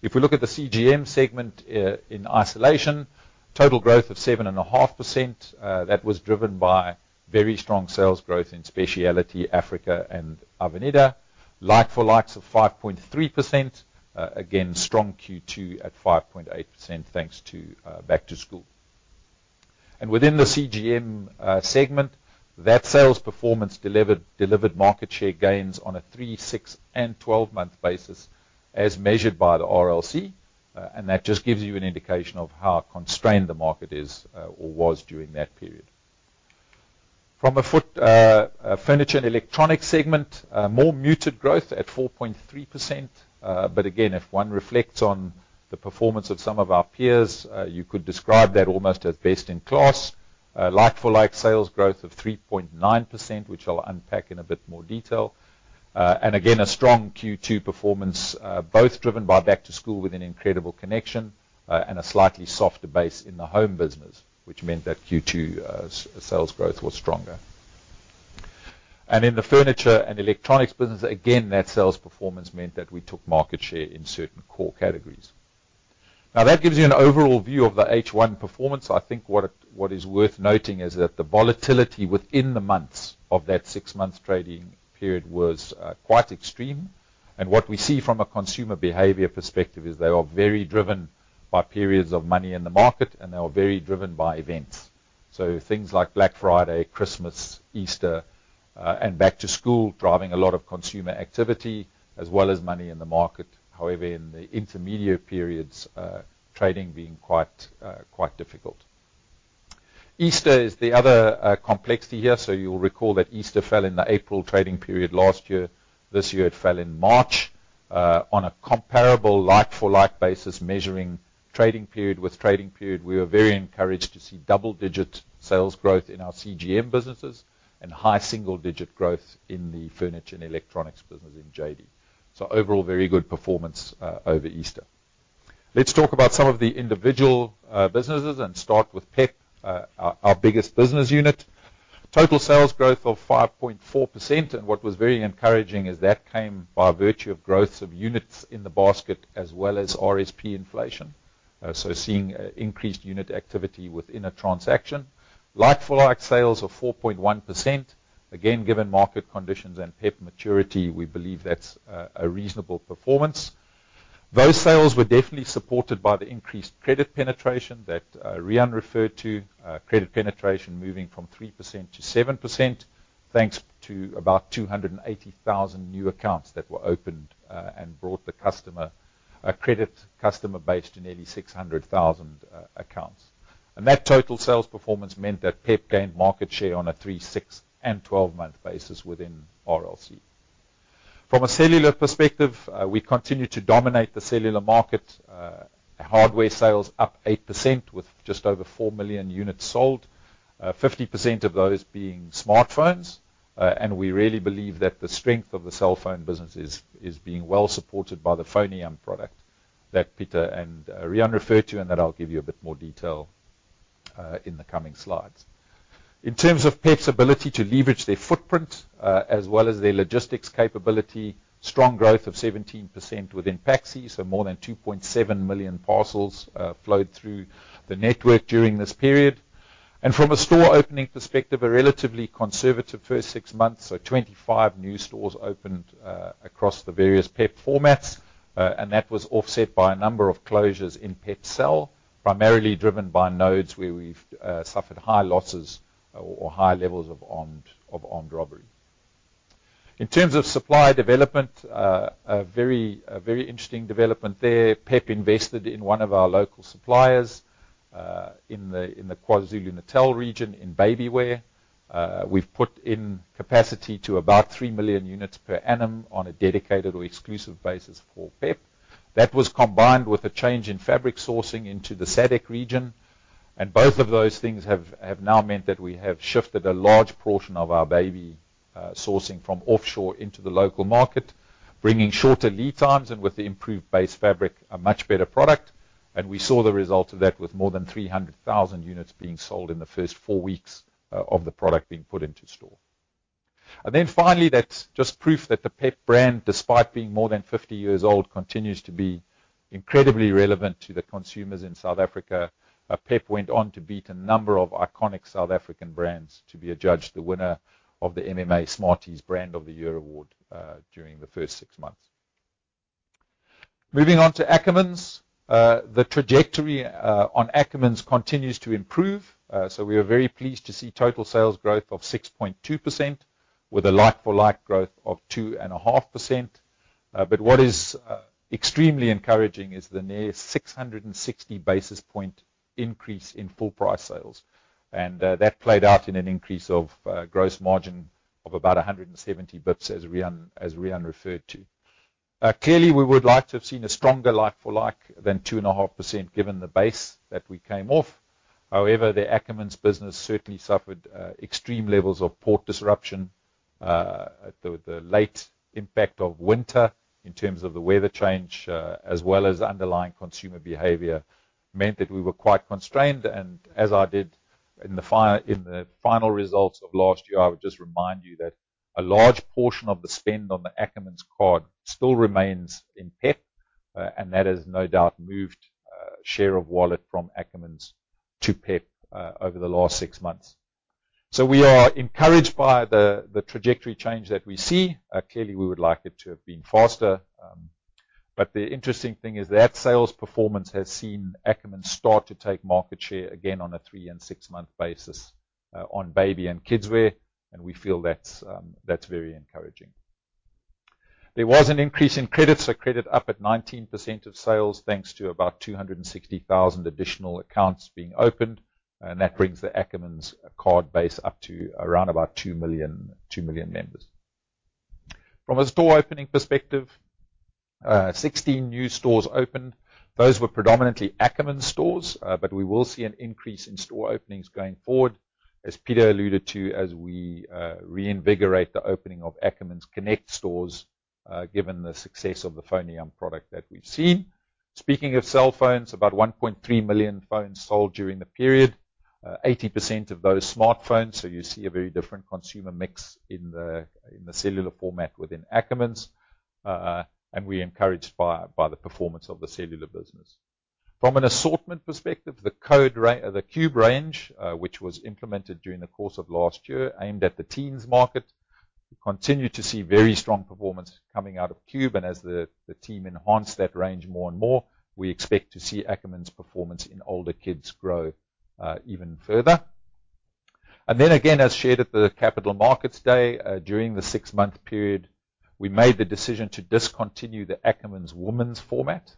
If we look at the CGM segment in isolation, total growth of 7.5%, that was driven by very strong sales growth in Speciality, Africa, and Avenida. Like-for-likes of 5.3%, again, strong Q2 at 5.8%, thanks to back to school. And within the CGM segment, that sales performance delivered market share gains on a 3, 6, and 12-month basis as measured by the RLC, and that just gives you an indication of how constrained the market is, or was during that period. From a furniture and electronic segment, more muted growth at 4.3%, but again, if one reflects on the performance of some of our peers, you could describe that almost as best-in-class. Like-for-like sales growth of 3.9%, which I'll unpack in a bit more detail. And again, a strong Q2 performance, both driven by back to school with an Incredible Connection, and a slightly softer base in the home business, which meant that Q2, sales growth was stronger. In the furniture and electronics business, again, that sales performance meant that we took market share in certain core categories. Now, that gives you an overall view of the H1 performance. I think what is worth noting is that the volatility within the months of that six-month trading period was quite extreme. What we see from a consumer behavior perspective is they are very driven by periods of money in the market, and they are very driven by events. So things like Black Friday, Christmas, Easter, and back to school, driving a lot of consumer activity as well as money in the market. However, in the intermediate periods, trading being quite, quite difficult. Easter is the other complexity here. So you'll recall that Easter fell in the April trading period last year. This year, it fell in March. On a comparable like-for-like basis, measuring trading period with trading period, we were very encouraged to see double-digit sales growth in our CGM businesses and high single-digit growth in the furniture and electronics business in JD. So overall, very good performance over Easter. Let's talk about some of the individual businesses and start with PEP, our biggest business unit. Total sales growth of 5.4%, and what was very encouraging is that came by virtue of growth of units in the basket as well as RSP inflation. So seeing increased unit activity within a transaction. Like-for-like sales of 4.1%, again, given market conditions and PEP maturity, we believe that's a reasonable performance. Those sales were definitely supported by the increased credit penetration that Rian referred to. Credit penetration moving from 3% to 7%, thanks to about 280,000 new accounts that were opened, and brought the customer a credit customer base to nearly 600,000 accounts. And that total sales performance meant that PEP gained market share on a 3-, 6-, and 12-month basis within RLC. From a cellular perspective, we continue to dominate the cellular market. Hardware sales up 8% with just over 4 million units sold, 50% of those being smartphones. And we really believe that the strength of the cell phone business is, is being well supported by the FoneYam product that Pieter and Rian referred to, and that I'll give you a bit more detail, in the coming slides. In terms of PEP's ability to leverage their footprint, as well as their logistics capability, strong growth of 17% within PAXI, so more than 2.7 million parcels, flowed through the network during this period. From a store opening perspective, a relatively conservative first six months, so 25 new stores opened across the various PEP formats, and that was offset by a number of closures in PEP Cell, primarily driven by nodes where we've suffered high losses or high levels of armed robbery. In terms of supply development, a very interesting development there. PEP invested in one of our local suppliers in the KwaZulu-Natal region, in baby wear. We've put in capacity to about 3 million units per annum on a dedicated or exclusive basis for PEP. That was combined with a change in fabric sourcing into the SADC region, and both of those things have, have now meant that we have shifted a large portion of our baby sourcing from offshore into the local market, bringing shorter lead times, and with the improved base fabric, a much better product. And we saw the result of that with more than 300,000 units being sold in the first four weeks of the product being put into store. And then finally, that's just proof that the PEP brand, despite being more than 50 years old, continues to be incredibly relevant to the consumers in South Africa. PEP went on to beat a number of iconic South African brands to be adjudged the winner of the MMA Smarties Brand of the Year award during the first six months. Moving on to Ackermans. The trajectory on Ackermans continues to improve. So we are very pleased to see total sales growth of 6.2%, with a like-for-like growth of 2.5%. But what is extremely encouraging is the near 660 basis point increase in full price sales, and that played out in an increase of gross margin of about 170 basis points, as Rian referred to. Clearly, we would like to have seen a stronger like-for-like than 2.5%, given the base that we came off. However, the Ackermans business certainly suffered extreme levels of port disruption at the late impact of winter in terms of the weather change, as well as underlying consumer behavior, meant that we were quite constrained. In the final results of last year, I would just remind you that a large portion of the spend on the Ackermans card still remains in PEP, and that has no doubt moved share of wallet from Ackermans to PEP over the last six months. So we are encouraged by the trajectory change that we see. Clearly, we would like it to have been faster, but the interesting thing is that sales performance has seen Ackermans start to take market share again on a three-and-six-month basis, on baby and kids wear, and we feel that's very encouraging. There was an increase in credit, so credit up at 19% of sales, thanks to about 260,000 additional accounts being opened, and that brings the Ackermans card base up to around about 2 million, 2 million members. From a store opening perspective, 16 new stores opened. Those were predominantly Ackermans stores, but we will see an increase in store openings going forward, as Pieter alluded to, as we reinvigorate the opening of Ackermans Connect stores, given the success of the FoneYam product that we've seen. Speaking of cell phones, about 1.3 million phones sold during the period, 80% of those smartphones. So you see a very different consumer mix in the cellular format within Ackermans, and we're encouraged by the performance of the cellular business. From an assortment perspective, the Code range, the Cube range, which was implemented during the course of last year, aimed at the teens market, we continue to see very strong performance coming out of Cube, and as the team enhance that range more and more, we expect to see Ackermans' performance in older kids grow even further. Then again, as shared at the Capital Markets Day, during the six-month period, we made the decision to discontinue the Ackermans women's format.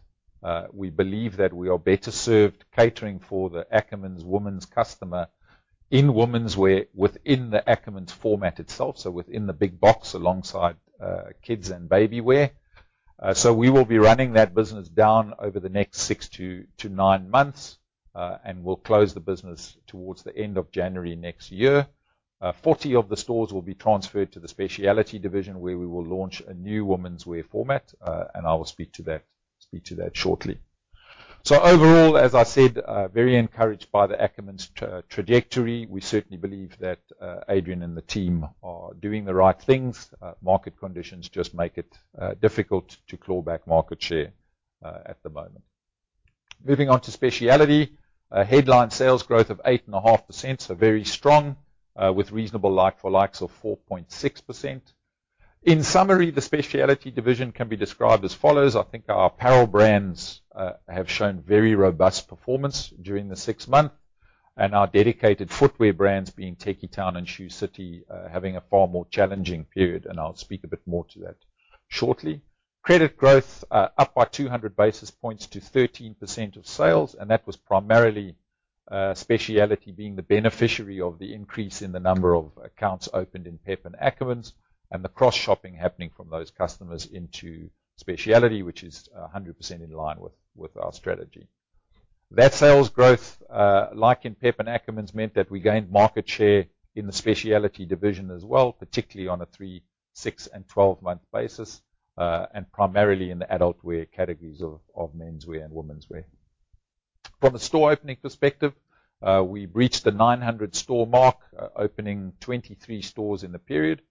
We believe that we are better served catering for the Ackermans women's customer in womenswear within the Ackermans format itself, so within the big box, alongside kids and baby wear. So we will be running that business down over the next six to nine months, and we'll close the business towards the end of January next year. Forty of the stores will be transferred to the Speciality division, where we will launch a new womenswear format, and I will speak to that, speak to that shortly. So overall, as I said, very encouraged by the Ackermans trajectory. We certainly believe that, Adrian and the team are doing the right things. Market conditions just make it difficult to claw back market share at the moment. Moving on to Speciality, a headline sales growth of 8.5%, so very strong, with reasonable like for likes of 4.6%. In summary, the Speciality Division can be described as follows: I think our apparel brands have shown very robust performance during the six months, and our dedicated footwear brands, being Tekkie Town and Shoe City, having a far more challenging period, and I'll speak a bit more to that shortly. Credit growth up by 200 basis points to 13% of sales, and that was primarily, Speciality being the beneficiary of the increase in the number of accounts opened in PEP and Ackermans, and the cross-shopping happening from those customers into Speciality, which is 100% in line with our strategy. That sales growth, like in PEP and Ackermans, meant that we gained market share in the Speciality Division as well, particularly on a 3-, 6-, and 12-month basis, and primarily in the adult wear categories of menswear and womenswear. From a store opening perspective, we've reached the 900 store mark, opening 23 stores in the period,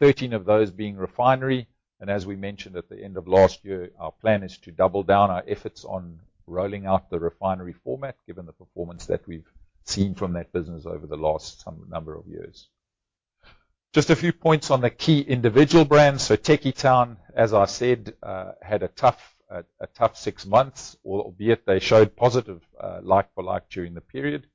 13 of those being Refinery. As we mentioned at the end of last year, our plan is to double down our efforts on rolling out the Refinery format, given the performance that we've seen from that business over the last some number of years. Just a few points on the key individual brands. So Tekkie Town, as I said, had a tough, a tough six months, albeit they showed positive like for like during the period.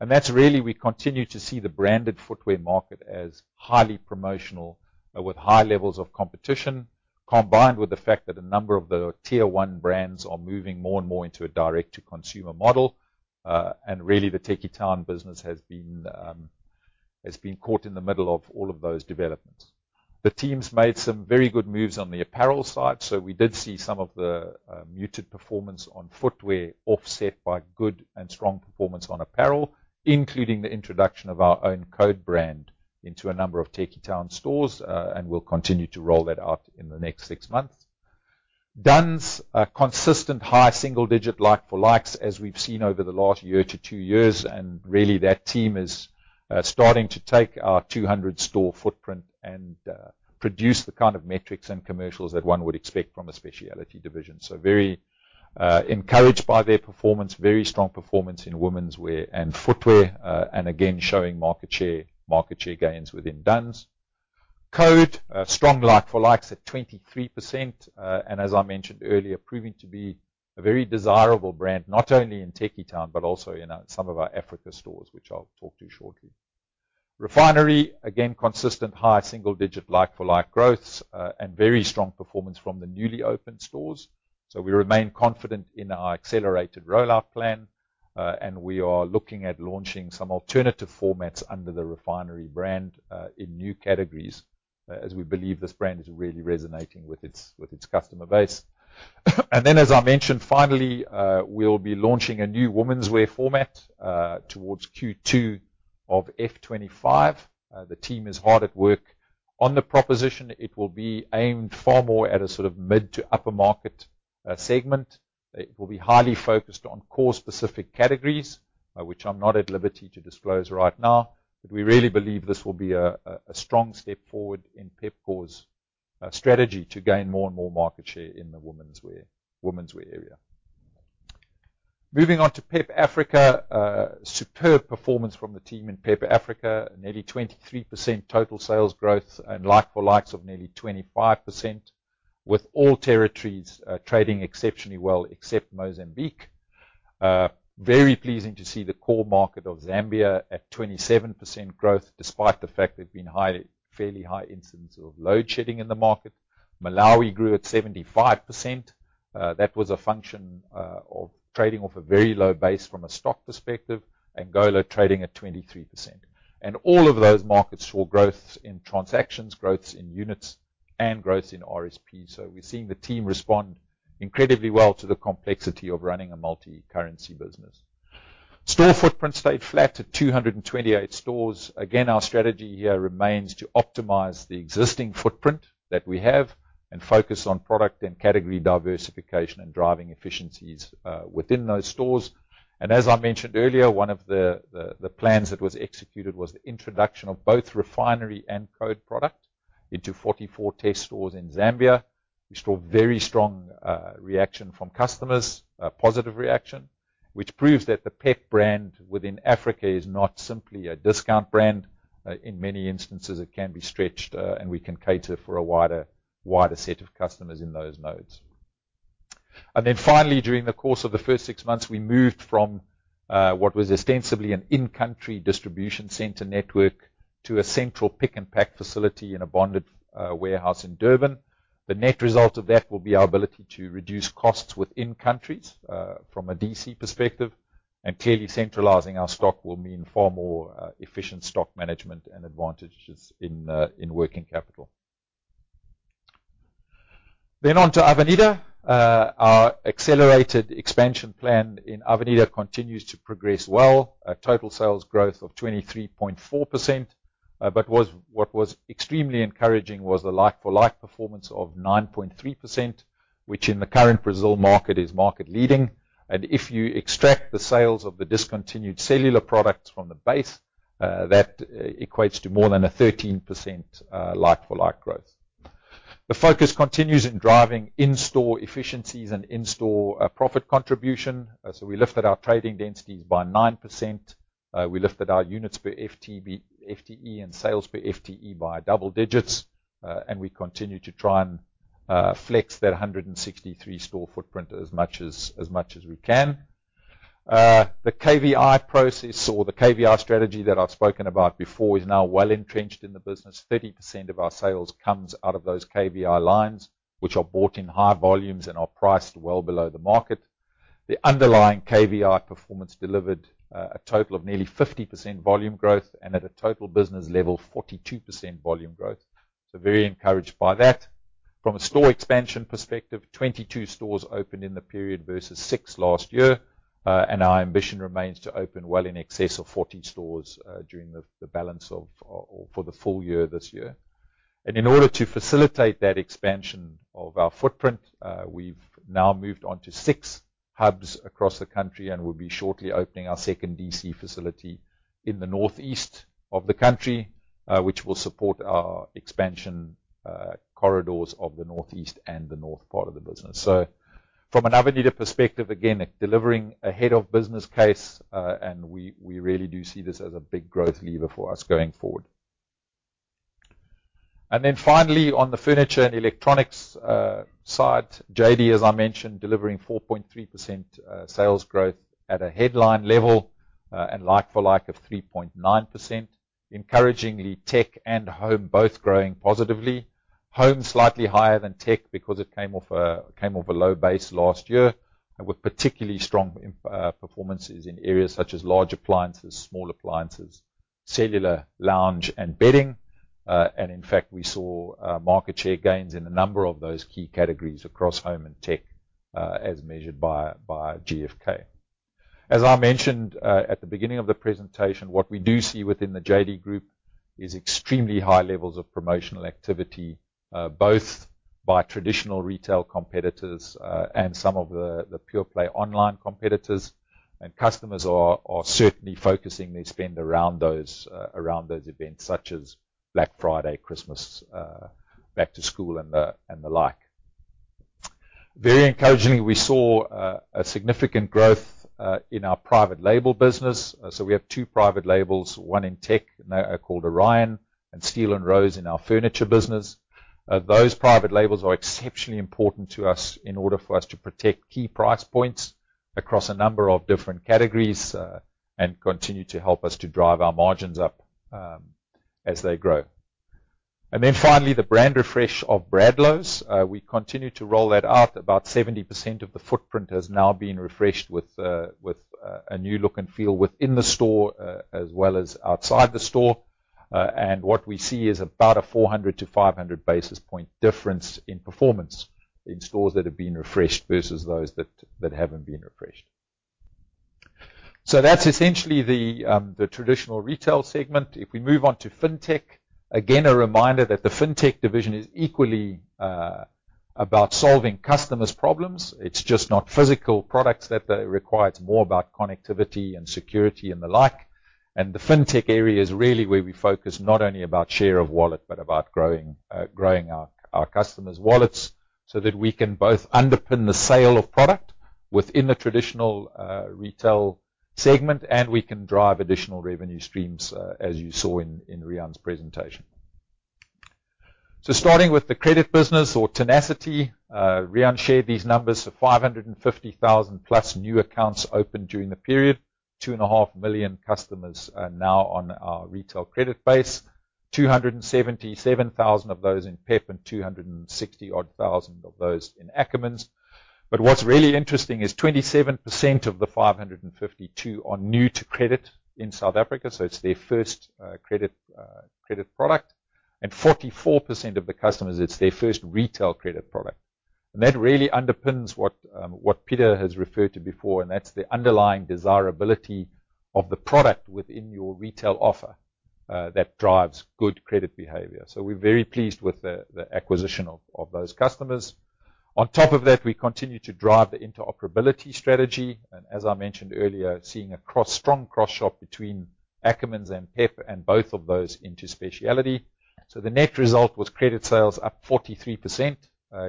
And that's really, we continue to see the branded footwear market as highly promotional with high levels of competition, combined with the fact that a number of the tier one brands are moving more and more into a direct-to-consumer model. And really, the Tekkie Town business has been. has been caught in the middle of all of those developments. The teams made some very good moves on the apparel side, so we did see some of the muted performance on footwear, offset by good and strong performance on apparel, including the introduction of our own Code brand into a number of Tekkie Town stores, and we'll continue to roll that out in the next six months. Dunns, a consistent high single-digit like-for-like, as we've seen over the last year to two years, and really, that team is starting to take our 200-store footprint and produce the kind of metrics and commercials that one would expect from a specialty division. So very encouraged by their performance. Very strong performance in womenswear and footwear, and again, showing market share, market share gains within Dunns. Code, strong like for likes at 23%, and as I mentioned earlier, proving to be a very desirable brand, not only in Tekkie Town, but also, you know, in some of our Africa stores, which I'll talk to shortly. Refinery, again, consistent high single digit like for like growth, and very strong performance from the newly opened stores. So we remain confident in our accelerated rollout plan, and we are looking at launching some alternative formats under the Refinery brand, in new categories, as we believe this brand is really resonating with its, with its customer base. And then, as I mentioned, finally, we'll be launching a new womenswear format, towards Q2 of F25. The team is hard at work on the proposition. It will be aimed far more at a sort of mid to upper market segment. It will be highly focused on core specific categories, which I'm not at liberty to disclose right now. But we really believe this will be a strong step forward in Pepkor's strategy to gain more and more market share in the womenswear, womenswear area. Moving on to PEP Africa. Superb performance from the team in PEP Africa. Nearly 23% total sales growth and like-for-likes of nearly 25%, with all territories trading exceptionally well, except Mozambique. Very pleasing to see the core market of Zambia at 27% growth, despite the fact there's been high, fairly high incidence of load shedding in the market. Malawi grew at 75%. That was a function of trading off a very low base from a stock perspective. Angola trading at 23%. And all of those markets saw growth in transactions, growth in units, and growth in RSPs. So we're seeing the team respond incredibly well to the complexity of running a multi-currency business. Store footprint stayed flat at 228 stores. Again, our strategy here remains to optimize the existing footprint that we have and focus on product and category diversification and driving efficiencies within those stores. And as I mentioned earlier, one of the plans that was executed was the introduction of both Refinery and Code product into 44 test stores in Zambia. We saw very strong reaction from customers, a positive reaction, which proves that the PEP brand within Africa is not simply a discount brand. In many instances, it can be stretched, and we can cater for a wider, wider set of customers in those nodes. And then finally, during the course of the first six months, we moved from what was ostensibly an in-country distribution center network to a central pick and pack facility in a bonded warehouse in Durban. The net result of that will be our ability to reduce costs within countries from a DC perspective, and clearly, centralizing our stock will mean far more efficient stock management and advantages in working capital. Then on to Avenida. Our accelerated expansion plan in Avenida continues to progress well. A total sales growth of 23.4%, but what was extremely encouraging was the like-for-like performance of 9.3%, which in the current Brazil market is market leading. If you extract the sales of the discontinued cellular products from the base, that equates to more than a 13% like-for-like growth. The focus continues in driving in-store efficiencies and in-store profit contribution. So we lifted our trading densities by 9%. We lifted our units per FTE and sales per FTE by double digits, and we continue to try and flex that 163-store footprint as much as we can. The KVI process or the KVI strategy that I've spoken about before is now well entrenched in the business. 30% of our sales comes out of those KVI lines, which are bought in high volumes and are priced well below the market. The underlying KVI performance delivered a total of nearly 50% volume growth, and at a total business level, 42% volume growth. So very encouraged by that. From a store expansion perspective, 22 stores opened in the period versus six last year, and our ambition remains to open well in excess of 14 stores during the balance of or for the full year this year. And in order to facilitate that expansion of our footprint, we've now moved on to six hubs across the country, and we'll be shortly opening our second DC facility in the northeast of the country, which will support our expansion corridors of the northeast and the north part of the business. So from an Avenida perspective, again, delivering ahead of business case, and we, we really do see this as a big growth lever for us going forward. And then finally, on the furniture and electronics side, JD, as I mentioned, delivering 4.3% sales growth at a headline level, and like for like of 3.9%. Encouragingly, tech and home both growing positively. Home, slightly higher than tech because it came off a, came off a low base last year, and with particularly strong performances in areas such as large appliances, small appliances, cellular, lounge, and bedding. And in fact, we saw market share gains in a number of those key categories across home and tech, as measured by GfK. As I mentioned, at the beginning of the presentation, what we do see within the JD Group is extremely high levels of promotional activity, both by traditional retail competitors, and some of the, the pure play online competitors. And customers are, are certainly focusing their spend around those, around those events, such as Black Friday, Christmas, back to school, and the, and the like. Very encouragingly, we saw, a significant growth, in our private label business. So we have two private labels, one in tech, and they are called Orion and Steel & Rose in our furniture business. Those private labels are exceptionally important to us in order for us to protect key price points across a number of different categories, and continue to help us to drive our margins up, as they grow. And then finally, the brand refresh of Bradlows. We continue to roll that out. About 70% of the footprint has now been refreshed with a new look and feel within the store, as well as outside the store. And what we see is about a 400-500 basis point difference in performance in stores that have been refreshed versus those that haven't been refreshed. So that's essentially the traditional retail segment. If we move on to Fintech, again, a reminder that the Fintech division is equally about solving customers' problems. It's just not physical products that they require. It's more about connectivity and security and the like. The Fintech area is really where we focus, not only about share of wallet, but about growing, growing our customers' wallets, so that we can both underpin the sale of product within the traditional, retail segment, and we can drive additional revenue streams, as you saw in Rian's presentation. Starting with the credit business or Tenacity, Rian shared these numbers of 550,000+ new accounts opened during the period. 2.5 million customers are now on our retail credit base, 277,000 of those in PEP and 260-odd thousand of those in Ackermans. But what's really interesting is 27% of the 552 are new to credit in South Africa, so it's their first credit product, and 44% of the customers, it's their first retail credit product. And that really underpins what Pieter has referred to before, and that's the underlying desirability of the product within your retail offer that drives good credit behavior. So we're very pleased with the acquisition of those customers. On top of that, we continue to drive the interoperability strategy, and as I mentioned earlier, seeing a strong cross-shop between Ackermans and PEP and both of those into Speciality. So the net result was credit sales up 43%,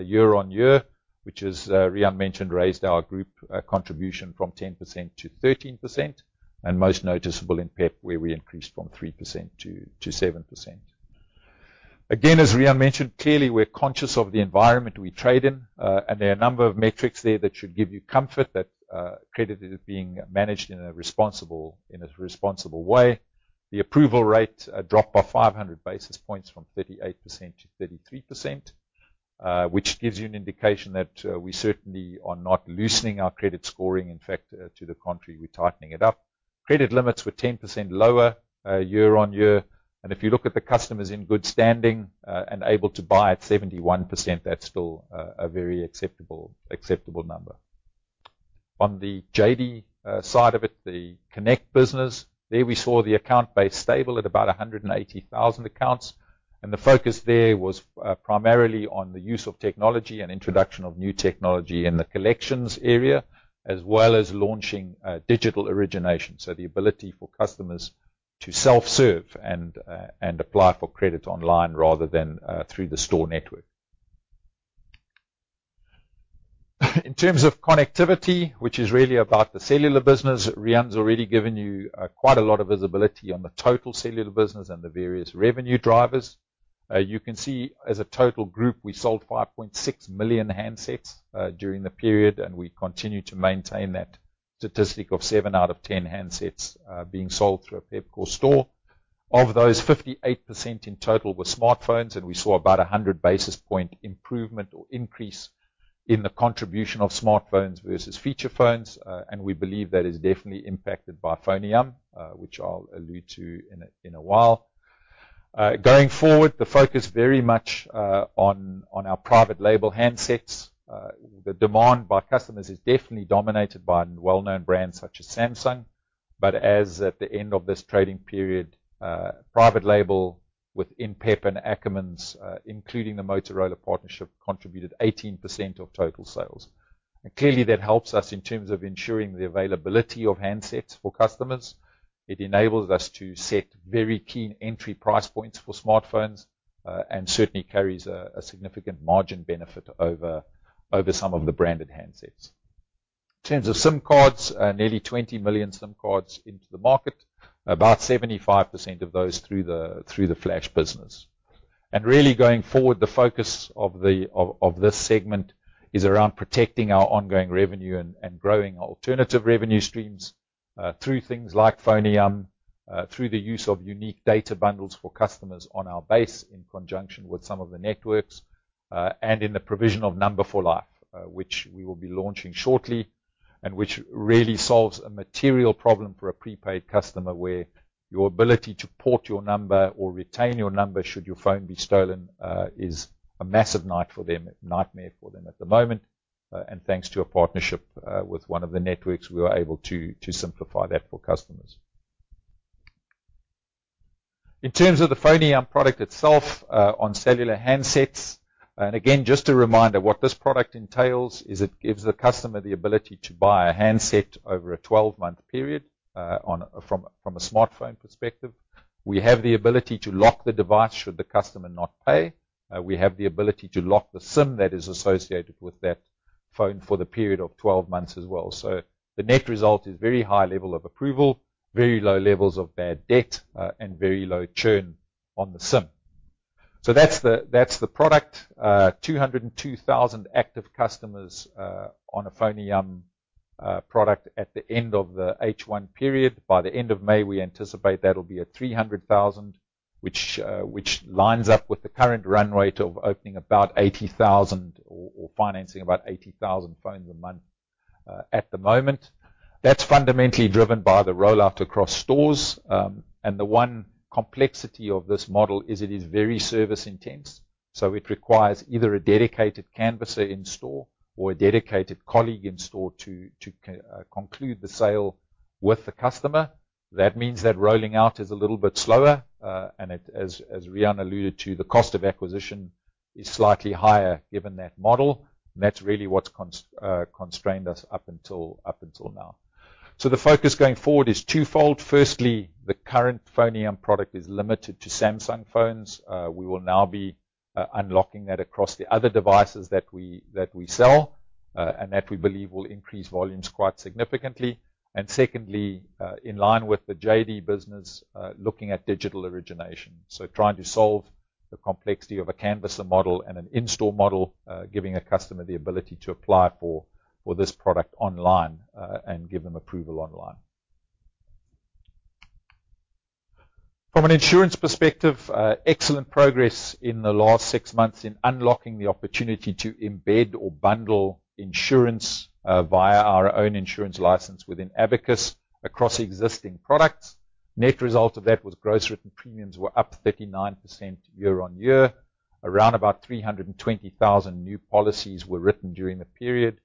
year-on-year, which as Rian mentioned, raised our group contribution from 10% to 13%, and most noticeable in PEP, where we increased from 3% to 7%. Again, as Rian mentioned, clearly, we're conscious of the environment we trade in, and there are a number of metrics there that should give you comfort that credit is being managed in a responsible, in a responsible way. The approval rate dropped by 500 basis points from 38% to 33%, which gives you an indication that we certainly are not loosening our credit scoring. In fact, to the contrary, we're tightening it up. Credit limits were 10% lower year-on-year, and if you look at the customers in good standing and able to buy at 71%, that's still a very acceptable number. On the JD side of it, the Connect business, there we saw the account base stable at about 180,000 accounts, and the focus there was primarily on the use of technology and introduction of new technology in the collections area, as well as launching digital origination, so the ability for customers to self-serve and apply for credit online rather than through the store network. In terms of connectivity, which is really about the cellular business, Rian's already given you quite a lot of visibility on the total cellular business and the various revenue drivers. You can see as a total group, we sold 5.6 million handsets during the period, and we continue to maintain that statistic of 7 out of 10 handsets being sold through a Pepkor store. Of those, 58% in total were smartphones, and we saw about 100 basis point improvement or increase in the contribution of smartphones versus feature phones, and we believe that is definitely impacted by FoneYam, which I'll allude to in a while. Going forward, the focus very much on our private label handsets. The demand by customers is definitely dominated by well-known brands such as Samsung, but as at the end of this trading period, private label within PEP and Ackermans, including the Motorola partnership, contributed 18% of total sales. Clearly, that helps us in terms of ensuring the availability of handsets for customers. It enables us to set very keen entry price points for smartphones, and certainly carries a significant margin benefit over some of the branded handsets. In terms of SIM cards, nearly 20 million SIM cards into the market, about 75% of those through the Flash business. And really, going forward, the focus of the this segment is around protecting our ongoing revenue and growing alternative revenue streams, through things like FoneYam, through the use of unique data bundles for customers on our base, in conjunction with some of the networks, and in the provision of Number for Life, which we will be launching shortly, and which really solves a material problem for a prepaid customer, where your ability to port your number or retain your number, should your phone be stolen, is a massive nightmare for them at the moment. And thanks to a partnership with one of the networks, we were able to simplify that for customers. In terms of the FoneYam product itself, on cellular handsets, and again, just a reminder, what this product entails is it gives the customer the ability to buy a handset over a 12-month period, from a smartphone perspective. We have the ability to lock the device should the customer not pay. We have the ability to lock the SIM that is associated with that phone for the period of 12 months as well. So the net result is very high level of approval, very low levels of bad debt, and very low churn on the SIM. So that's the product. 202,000 active customers on a FoneYam product at the end of the H1 period. By the end of May, we anticipate that'll be at 300,000, which lines up with the current run rate of opening about 80,000 or financing about 80,000 phones a month at the moment. That's fundamentally driven by the rollout across stores. The one complexity of this model is it is very service intense, so it requires either a dedicated canvasser in store or a dedicated colleague in store to conclude the sale with the customer. That means that rolling out is a little bit slower, and it, as Rian alluded to, the cost of acquisition is slightly higher given that model, and that's really what's constrained us up until now. So the focus going forward is twofold. Firstly, the current FoneYam product is limited to Samsung phones. We will now be unlocking that across the other devices that we sell, and that we believe will increase volumes quite significantly. Secondly, in line with the JD business, looking at digital origination, so trying to solve the complexity of a canvasser model and an in-store model, giving a customer the ability to apply for this product online, and give them approval online. From an insurance perspective, excellent progress in the last six months in unlocking the opportunity to embed or bundle insurance via our own insurance license within Abacus across existing products. Net result of that was gross written premiums were up 39% year-on-year. Around about 320,000 new policies were written during the period,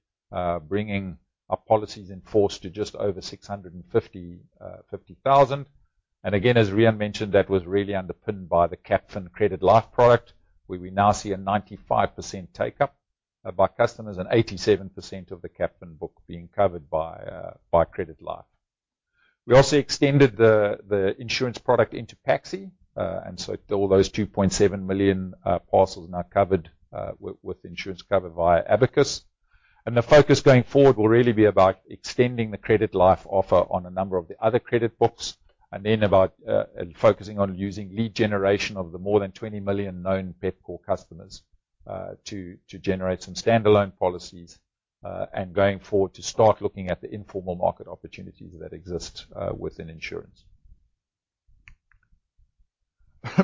bringing our policies in force to just over 650,000. And again, as Rian mentioned, that was really underpinned by the Capfin Credit Life product, where we now see a 95% take-up by customers and 87% of the Capfin book being covered by, by Credit Life. We also extended the insurance product into PAXI, and so all those 2.7 million parcels are now covered, with insurance cover via Abacus. And the focus going forward will really be about extending the credit life offer on a number of the other credit books, and then about and focusing on using lead generation of the more than 20 million known Pepkor customers, to generate some standalone policies, and going forward to start looking at the informal market opportunities that exist, within insurance.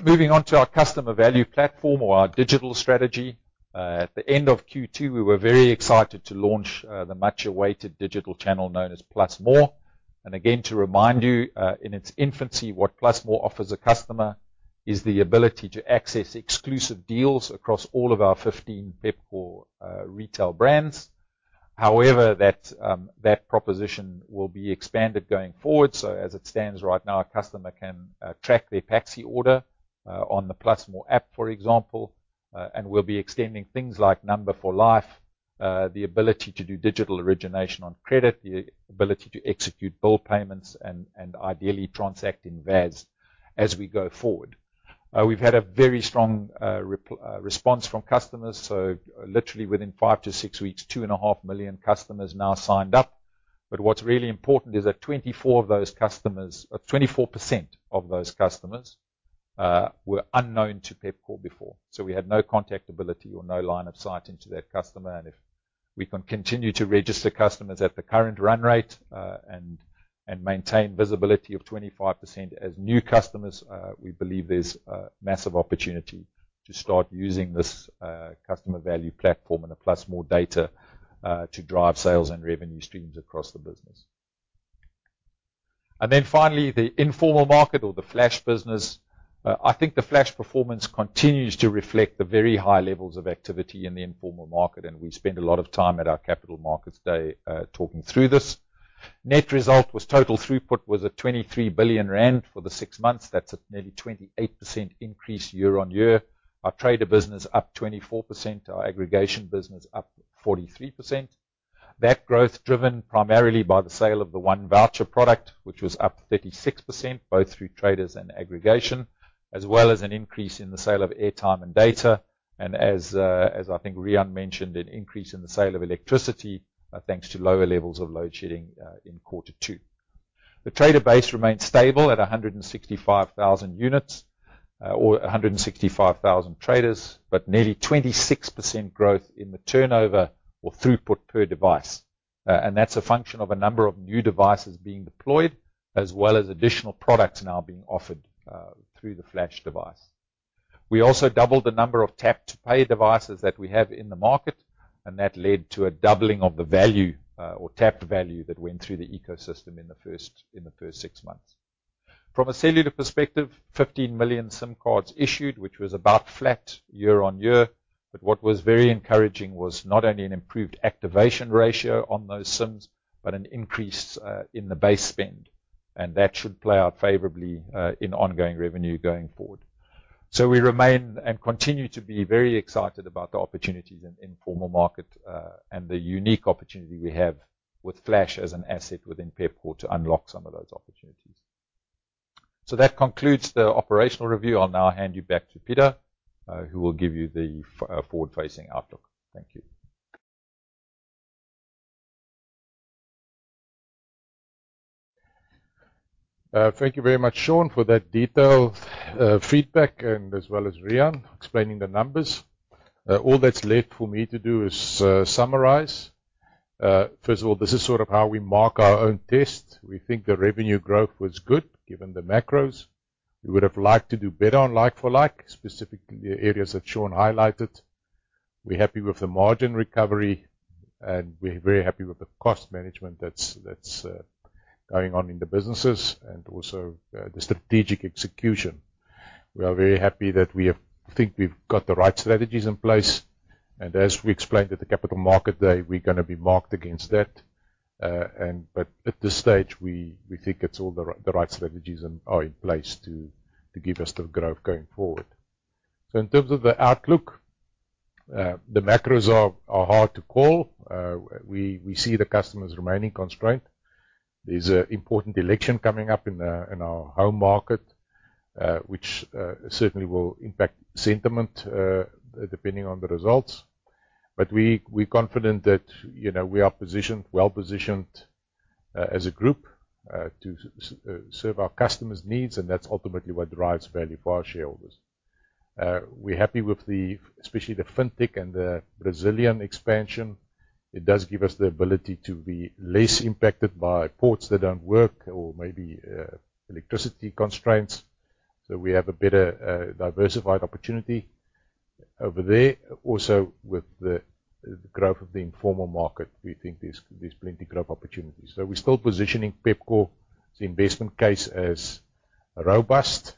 Moving on to our customer value platform or our digital strategy. At the end of Q2, we were very excited to launch the much-awaited digital channel known as +more. And again, to remind you, in its infancy, what +more offers a customer is the ability to access exclusive deals across all of our 15 Pepkor retail brands. However, that, that proposition will be expanded going forward. So as it stands right now, a customer can track their PAXI order on the +more app, for example, and we'll be extending things like Number for Life, the ability to do digital origination on credit, the ability to execute bill payments and, and ideally transact in VAS as we go forward. We've had a very strong response from customers, so literally within five-six weeks, 2.5 million customers now signed up. But what's really important is that 24 of those customers 24% of those customers were unknown to Pepkor before. So we had no contact ability or no line of sight into that customer, and if we can continue to register customers at the current run rate, and maintain visibility of 25% as new customers, we believe there's a massive opportunity to start using this customer value platform and the +more data to drive sales and revenue streams across the business. And then finally, the informal market or the Flash business. I think the Flash performance continues to reflect the very high levels of activity in the informal market, and we spent a lot of time at our capital markets day talking through this. Net result was total throughput was at 23 billion rand for the six months. That's a nearly 28% increase year-on-year. Our trader business up 24%, our aggregation business up 43%. That growth driven primarily by the sale of the 1Voucher product, which was up 36%, both through traders and aggregation, as well as an increase in the sale of airtime and data. As, as I think Rian mentioned, an increase in the sale of electricity, thanks to lower levels of load shedding, in quarter two. The trader base remains stable at 165,000 units, or 165,000 traders, but nearly 26% growth in the turnover or throughput per device. And that's a function of a number of new devices being deployed, as well as additional products now being offered, through the Flash device. We also doubled the number of tap-to-pay devices that we have in the market, and that led to a doubling of the value, or tap value that went through the ecosystem in the first six months. From a cellular perspective, 15 million SIM cards issued, which was about flat year-on-year. But what was very encouraging was not only an improved activation ratio on those SIMs, but an increase in the base spend, and that should play out favorably in ongoing revenue going forward. So we remain and continue to be very excited about the opportunities in informal market, and the unique opportunity we have with Flash as an asset within Pepkor to unlock some of those opportunities. So that concludes the operational review. I'll now hand you back to Pieter, who will give you the forward-facing outlook. Thank you. Thank you very much, Sean, for that detailed feedback and as well as Rian, explaining the numbers. All that's left for me to do is summarize. First of all, this is sort of how we mark our own test. We think the revenue growth was good, given the macros. We would have liked to do better on like-for-like, specifically the areas that Sean highlighted. We're happy with the margin recovery, and we're very happy with the cost management that's going on in the businesses and also the strategic execution. We are very happy that we think we've got the right strategies in place, and as we explained at the capital market day, we're gonna be marked against that, and, But at this stage, we think it's all the right strategies and are in place to give us the growth going forward. So in terms of the outlook, the macros are hard to call. We see the customers remaining constrained. There's an important election coming up in our home market, which certainly will impact sentiment depending on the results. But we're confident that, you know, we are positioned, well-positioned, as a group to serve our customers' needs, and that's ultimately what drives value for our shareholders. We're happy with the especially the Fintech and the Brazilian expansion. It does give us the ability to be less impacted by ports that don't work or maybe electricity constraints, so we have a better diversified opportunity over there. Also, with the growth of the informal market, we think there's plenty of growth opportunities. So we're still positioning Pepkor, the investment case as robust,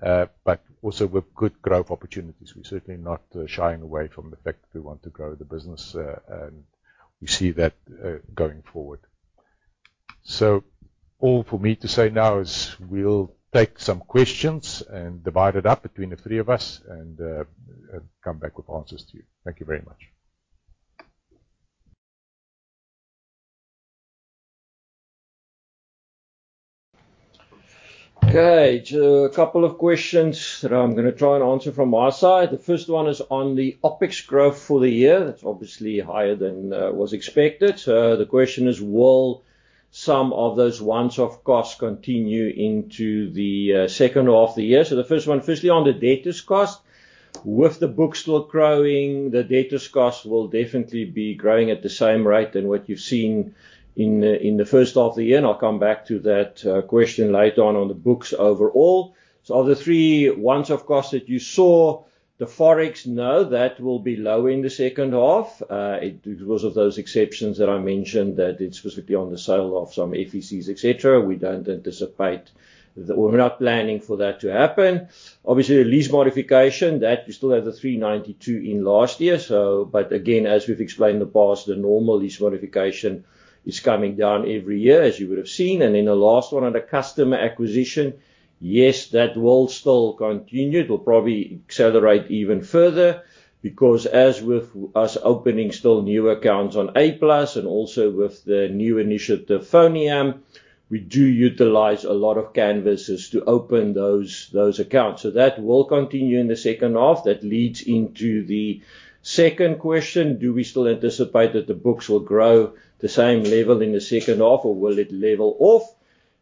but also with good growth opportunities. We're certainly not shying away from the fact that we want to grow the business, and we see that going forward. So all for me to say now is we'll take some questions and divide it up between the three of us, and come back with answers to you. Thank you very much. Okay, so a couple of questions that I'm gonna try and answer from my side. The first one is on the OpEx growth for the year. That's obviously higher than was expected. So the question is: Will some of those once-off costs continue into the second half of the year? So the first one, firstly, on the debtors cost, with the books still growing, the debtors cost will definitely be growing at the same rate than what you've seen in the first half of the year, and I'll come back to that question later on, on the books overall. So of the three once-off costs that you saw, the Forex, no, that will be low in the second half. Because of those exceptions that I mentioned, that it's specifically on the sale of some FECs, et cetera, we don't anticipate the We're not planning for that to happen. Obviously, the lease modification, that we still have the 392 in last year, so but again, as we've explained in the past, the normal lease modification is coming down every year, as you would have seen. And then the last one, on the customer acquisition, yes, that will still continue. It will probably accelerate even further, because as with us opening still new accounts on A Plus and also with the new initiative, FoneYam, we do utilize a lot of canvassers to open those, those accounts. So that will continue in the second half. That leads into the second question: Do we still anticipate that the books will grow the same level in the second half, or will it level off?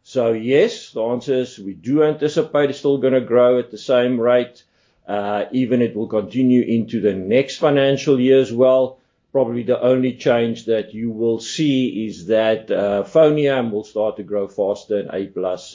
So, yes, the answer is we do anticipate it's still gonna grow at the same rate, even it will continue into the next financial year as well. Probably, the only change that you will see is that, FoneYam will start to grow faster, and A+,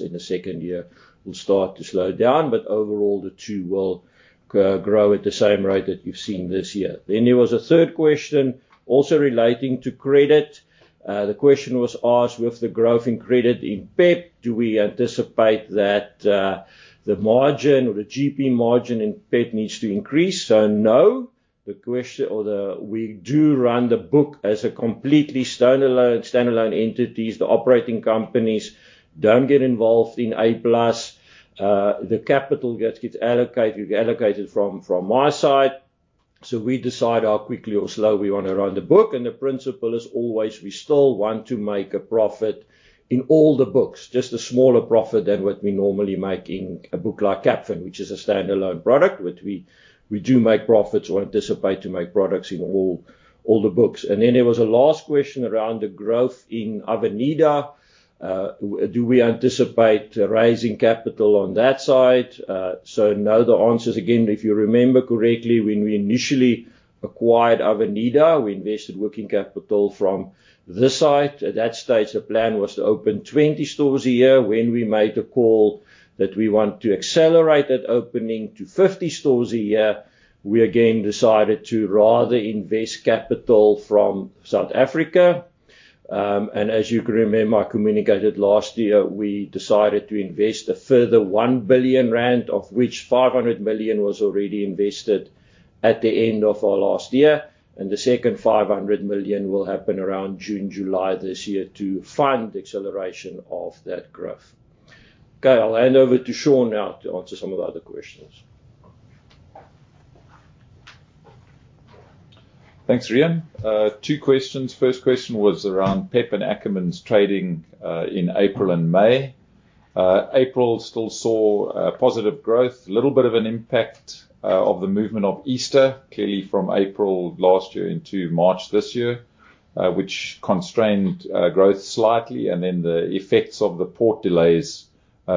in the second year, will start to slow down, but overall, the two will grow at the same rate that you've seen this year. Then there was a third question, also relating to credit. The question was asked: With the growth in credit in PEP, do we anticipate that, the margin or the GP margin in PEP needs to increase? So, no. We do run the book as a completely standalone entities. The operating companies don't get involved in A+. The capital gets allocated from my side, so we decide how quickly or slow we wanna run the book, and the principle is always we still want to make a profit in all the books, just a smaller profit than what we normally make in a book like Capfin, which is a standalone product, which we do make profits or anticipate to make profits in all the books. Then there was a last question around the growth in Avenida. Do we anticipate raising capital on that side? So no, the answer is again, if you remember correctly, when we initially acquired Avenida, we invested working capital from this side. At that stage, the plan was to open 20 stores a year. When we made the call that we want to accelerate that opening to 50 stores a year, we again decided to rather invest capital from South Africa. And as you can remember, I communicated last year, we decided to invest a further 1 billion rand, of which 500 million was already invested at the end of our last year, and the second 500 million will happen around June, July this year to fund the acceleration of that growth. Okay, I'll hand over to Sean now to answer some of the other questions. Thanks, Rian. Two questions. First question was around PEP and Ackermans' trading in April and May. April still saw positive growth. A little bit of an impact of the movement of Easter, clearly from April last year into March this year, which constrained growth slightly, and then the effects of the port delays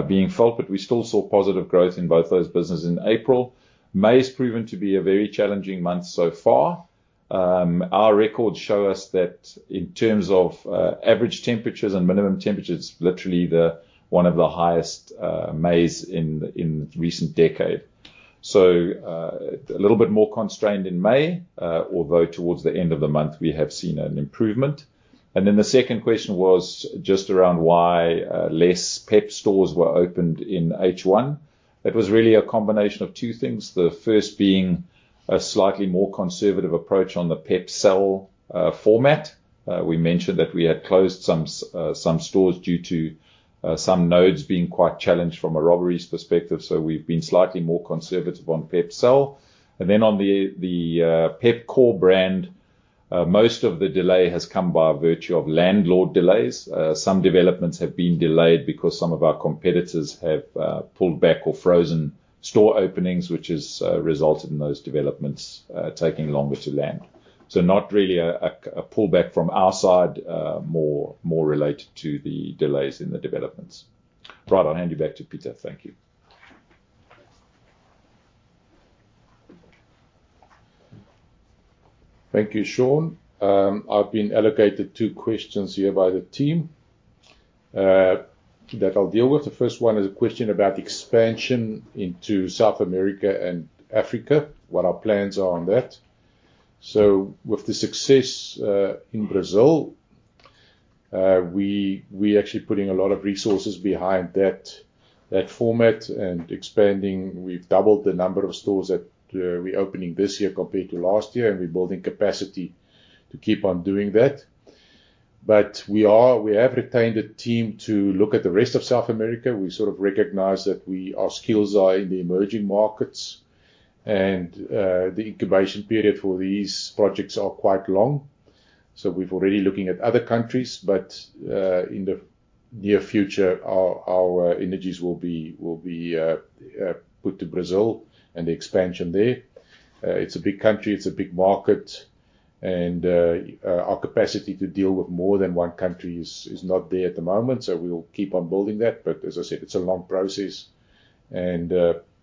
being felt, but we still saw positive growth in both those businesses in April. May has proven to be a very challenging month so far. Our records show us that in terms of average temperatures and minimum temperatures, literally the one of the highest Mays in recent decade. So, a little bit more constrained in May, although towards the end of the month, we have seen an improvement. And then the second question was just around why, less PEP stores were opened in H1. It was really a combination of two things. The first being a slightly more conservative approach on the PEP Cell, format. We mentioned that we had closed some stores due to, some nodes being quite challenged from a robbery perspective, so we've been slightly more conservative on PEP Cell. And then on the PEP Core brand, most of the delay has come by virtue of landlord delays. Some developments have been delayed because some of our competitors have pulled back or frozen store openings, which has resulted in those developments taking longer to land. So not really a pullback from our side, more related to the delays in the developments. Right, I'll hand you back to Pieter. Thank you. Thank you, Sean. I've been allocated two questions here by the team that I'll deal with. The first one is a question about expansion into South America and Africa, what our plans are on that. So with the success in Brazil, we actually putting a lot of resources behind that format and expanding. We've doubled the number of stores that we're opening this year compared to last year, and we're building capacity to keep on doing that. But we have retained a team to look at the rest of South America. We sort of recognize that we, our skills are in the emerging markets, and the incubation period for these projects are quite long. So we've already looking at other countries, but in the near future, our energies will be put to Brazil and the expansion there. It's a big country, it's a big market, and our capacity to deal with more than one country is not there at the moment, so we will keep on building that. But as I said, it's a long process, and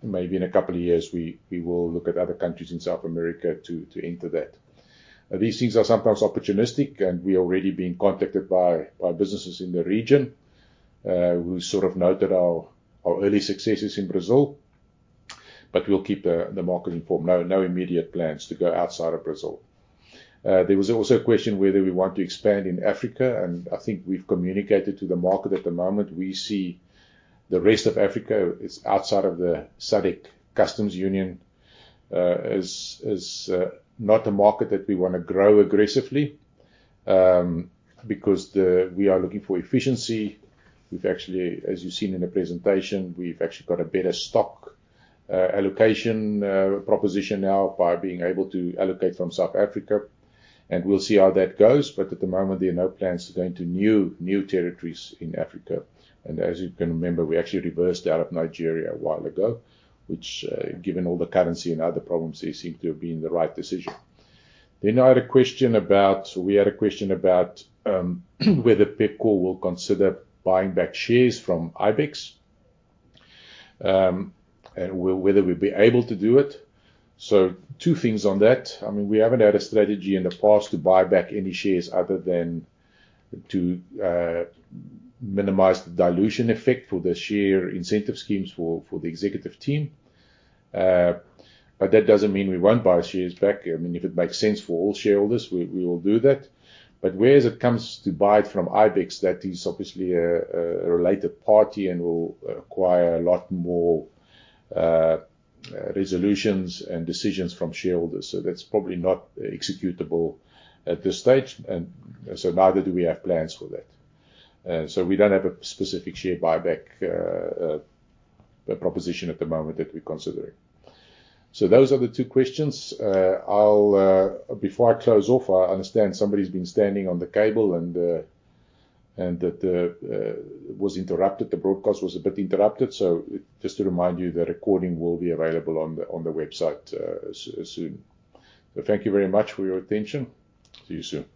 maybe in a couple of years, we will look at other countries in South America to enter that. These things are sometimes opportunistic, and we are already being contacted by businesses in the region who sort of noted our early successes in Brazil, but we'll keep the market informed. No immediate plans to go outside of Brazil. There was also a question whether we want to expand in Africa, and I think we've communicated to the market. At the moment, we see the rest of Africa is outside of the SADC Customs Union, not a market that we wanna grow aggressively, because we are looking for efficiency. We've actually, as you've seen in the presentation, we've actually got a better stock allocation proposition now by being able to allocate from South Africa, and we'll see how that goes. But at the moment, there are no plans to go into new territories in Africa. And as you can remember, we actually reversed out of Nigeria a while ago, which, given all the currency and other problems there, seemed to have been the right decision. Then I had a question about. We had a question about whether Pepkor will consider buying back shares from Ibex, and whether we'll be able to do it. So two things on that. I mean, we haven't had a strategy in the past to buy back any shares other than to minimize the dilution effect for the share incentive schemes for the executive team. But that doesn't mean we won't buy shares back. I mean, if it makes sense for all shareholders, we will do that. But whereas it comes to buy from Ibex, that is obviously a related party and will require a lot more resolutions and decisions from shareholders. So that's probably not executable at this stage, and so neither do we have plans for that. So we don't have a specific share buyback proposition at the moment that we're considering. So those are the two questions. I'll, before I close off, I understand somebody's been standing on the cable, and, and that the, was interrupted. The broadcast was a bit interrupted, so just to remind you, the recording will be available on the, on the website, as, as soon. So thank you very much for your attention. See you soon.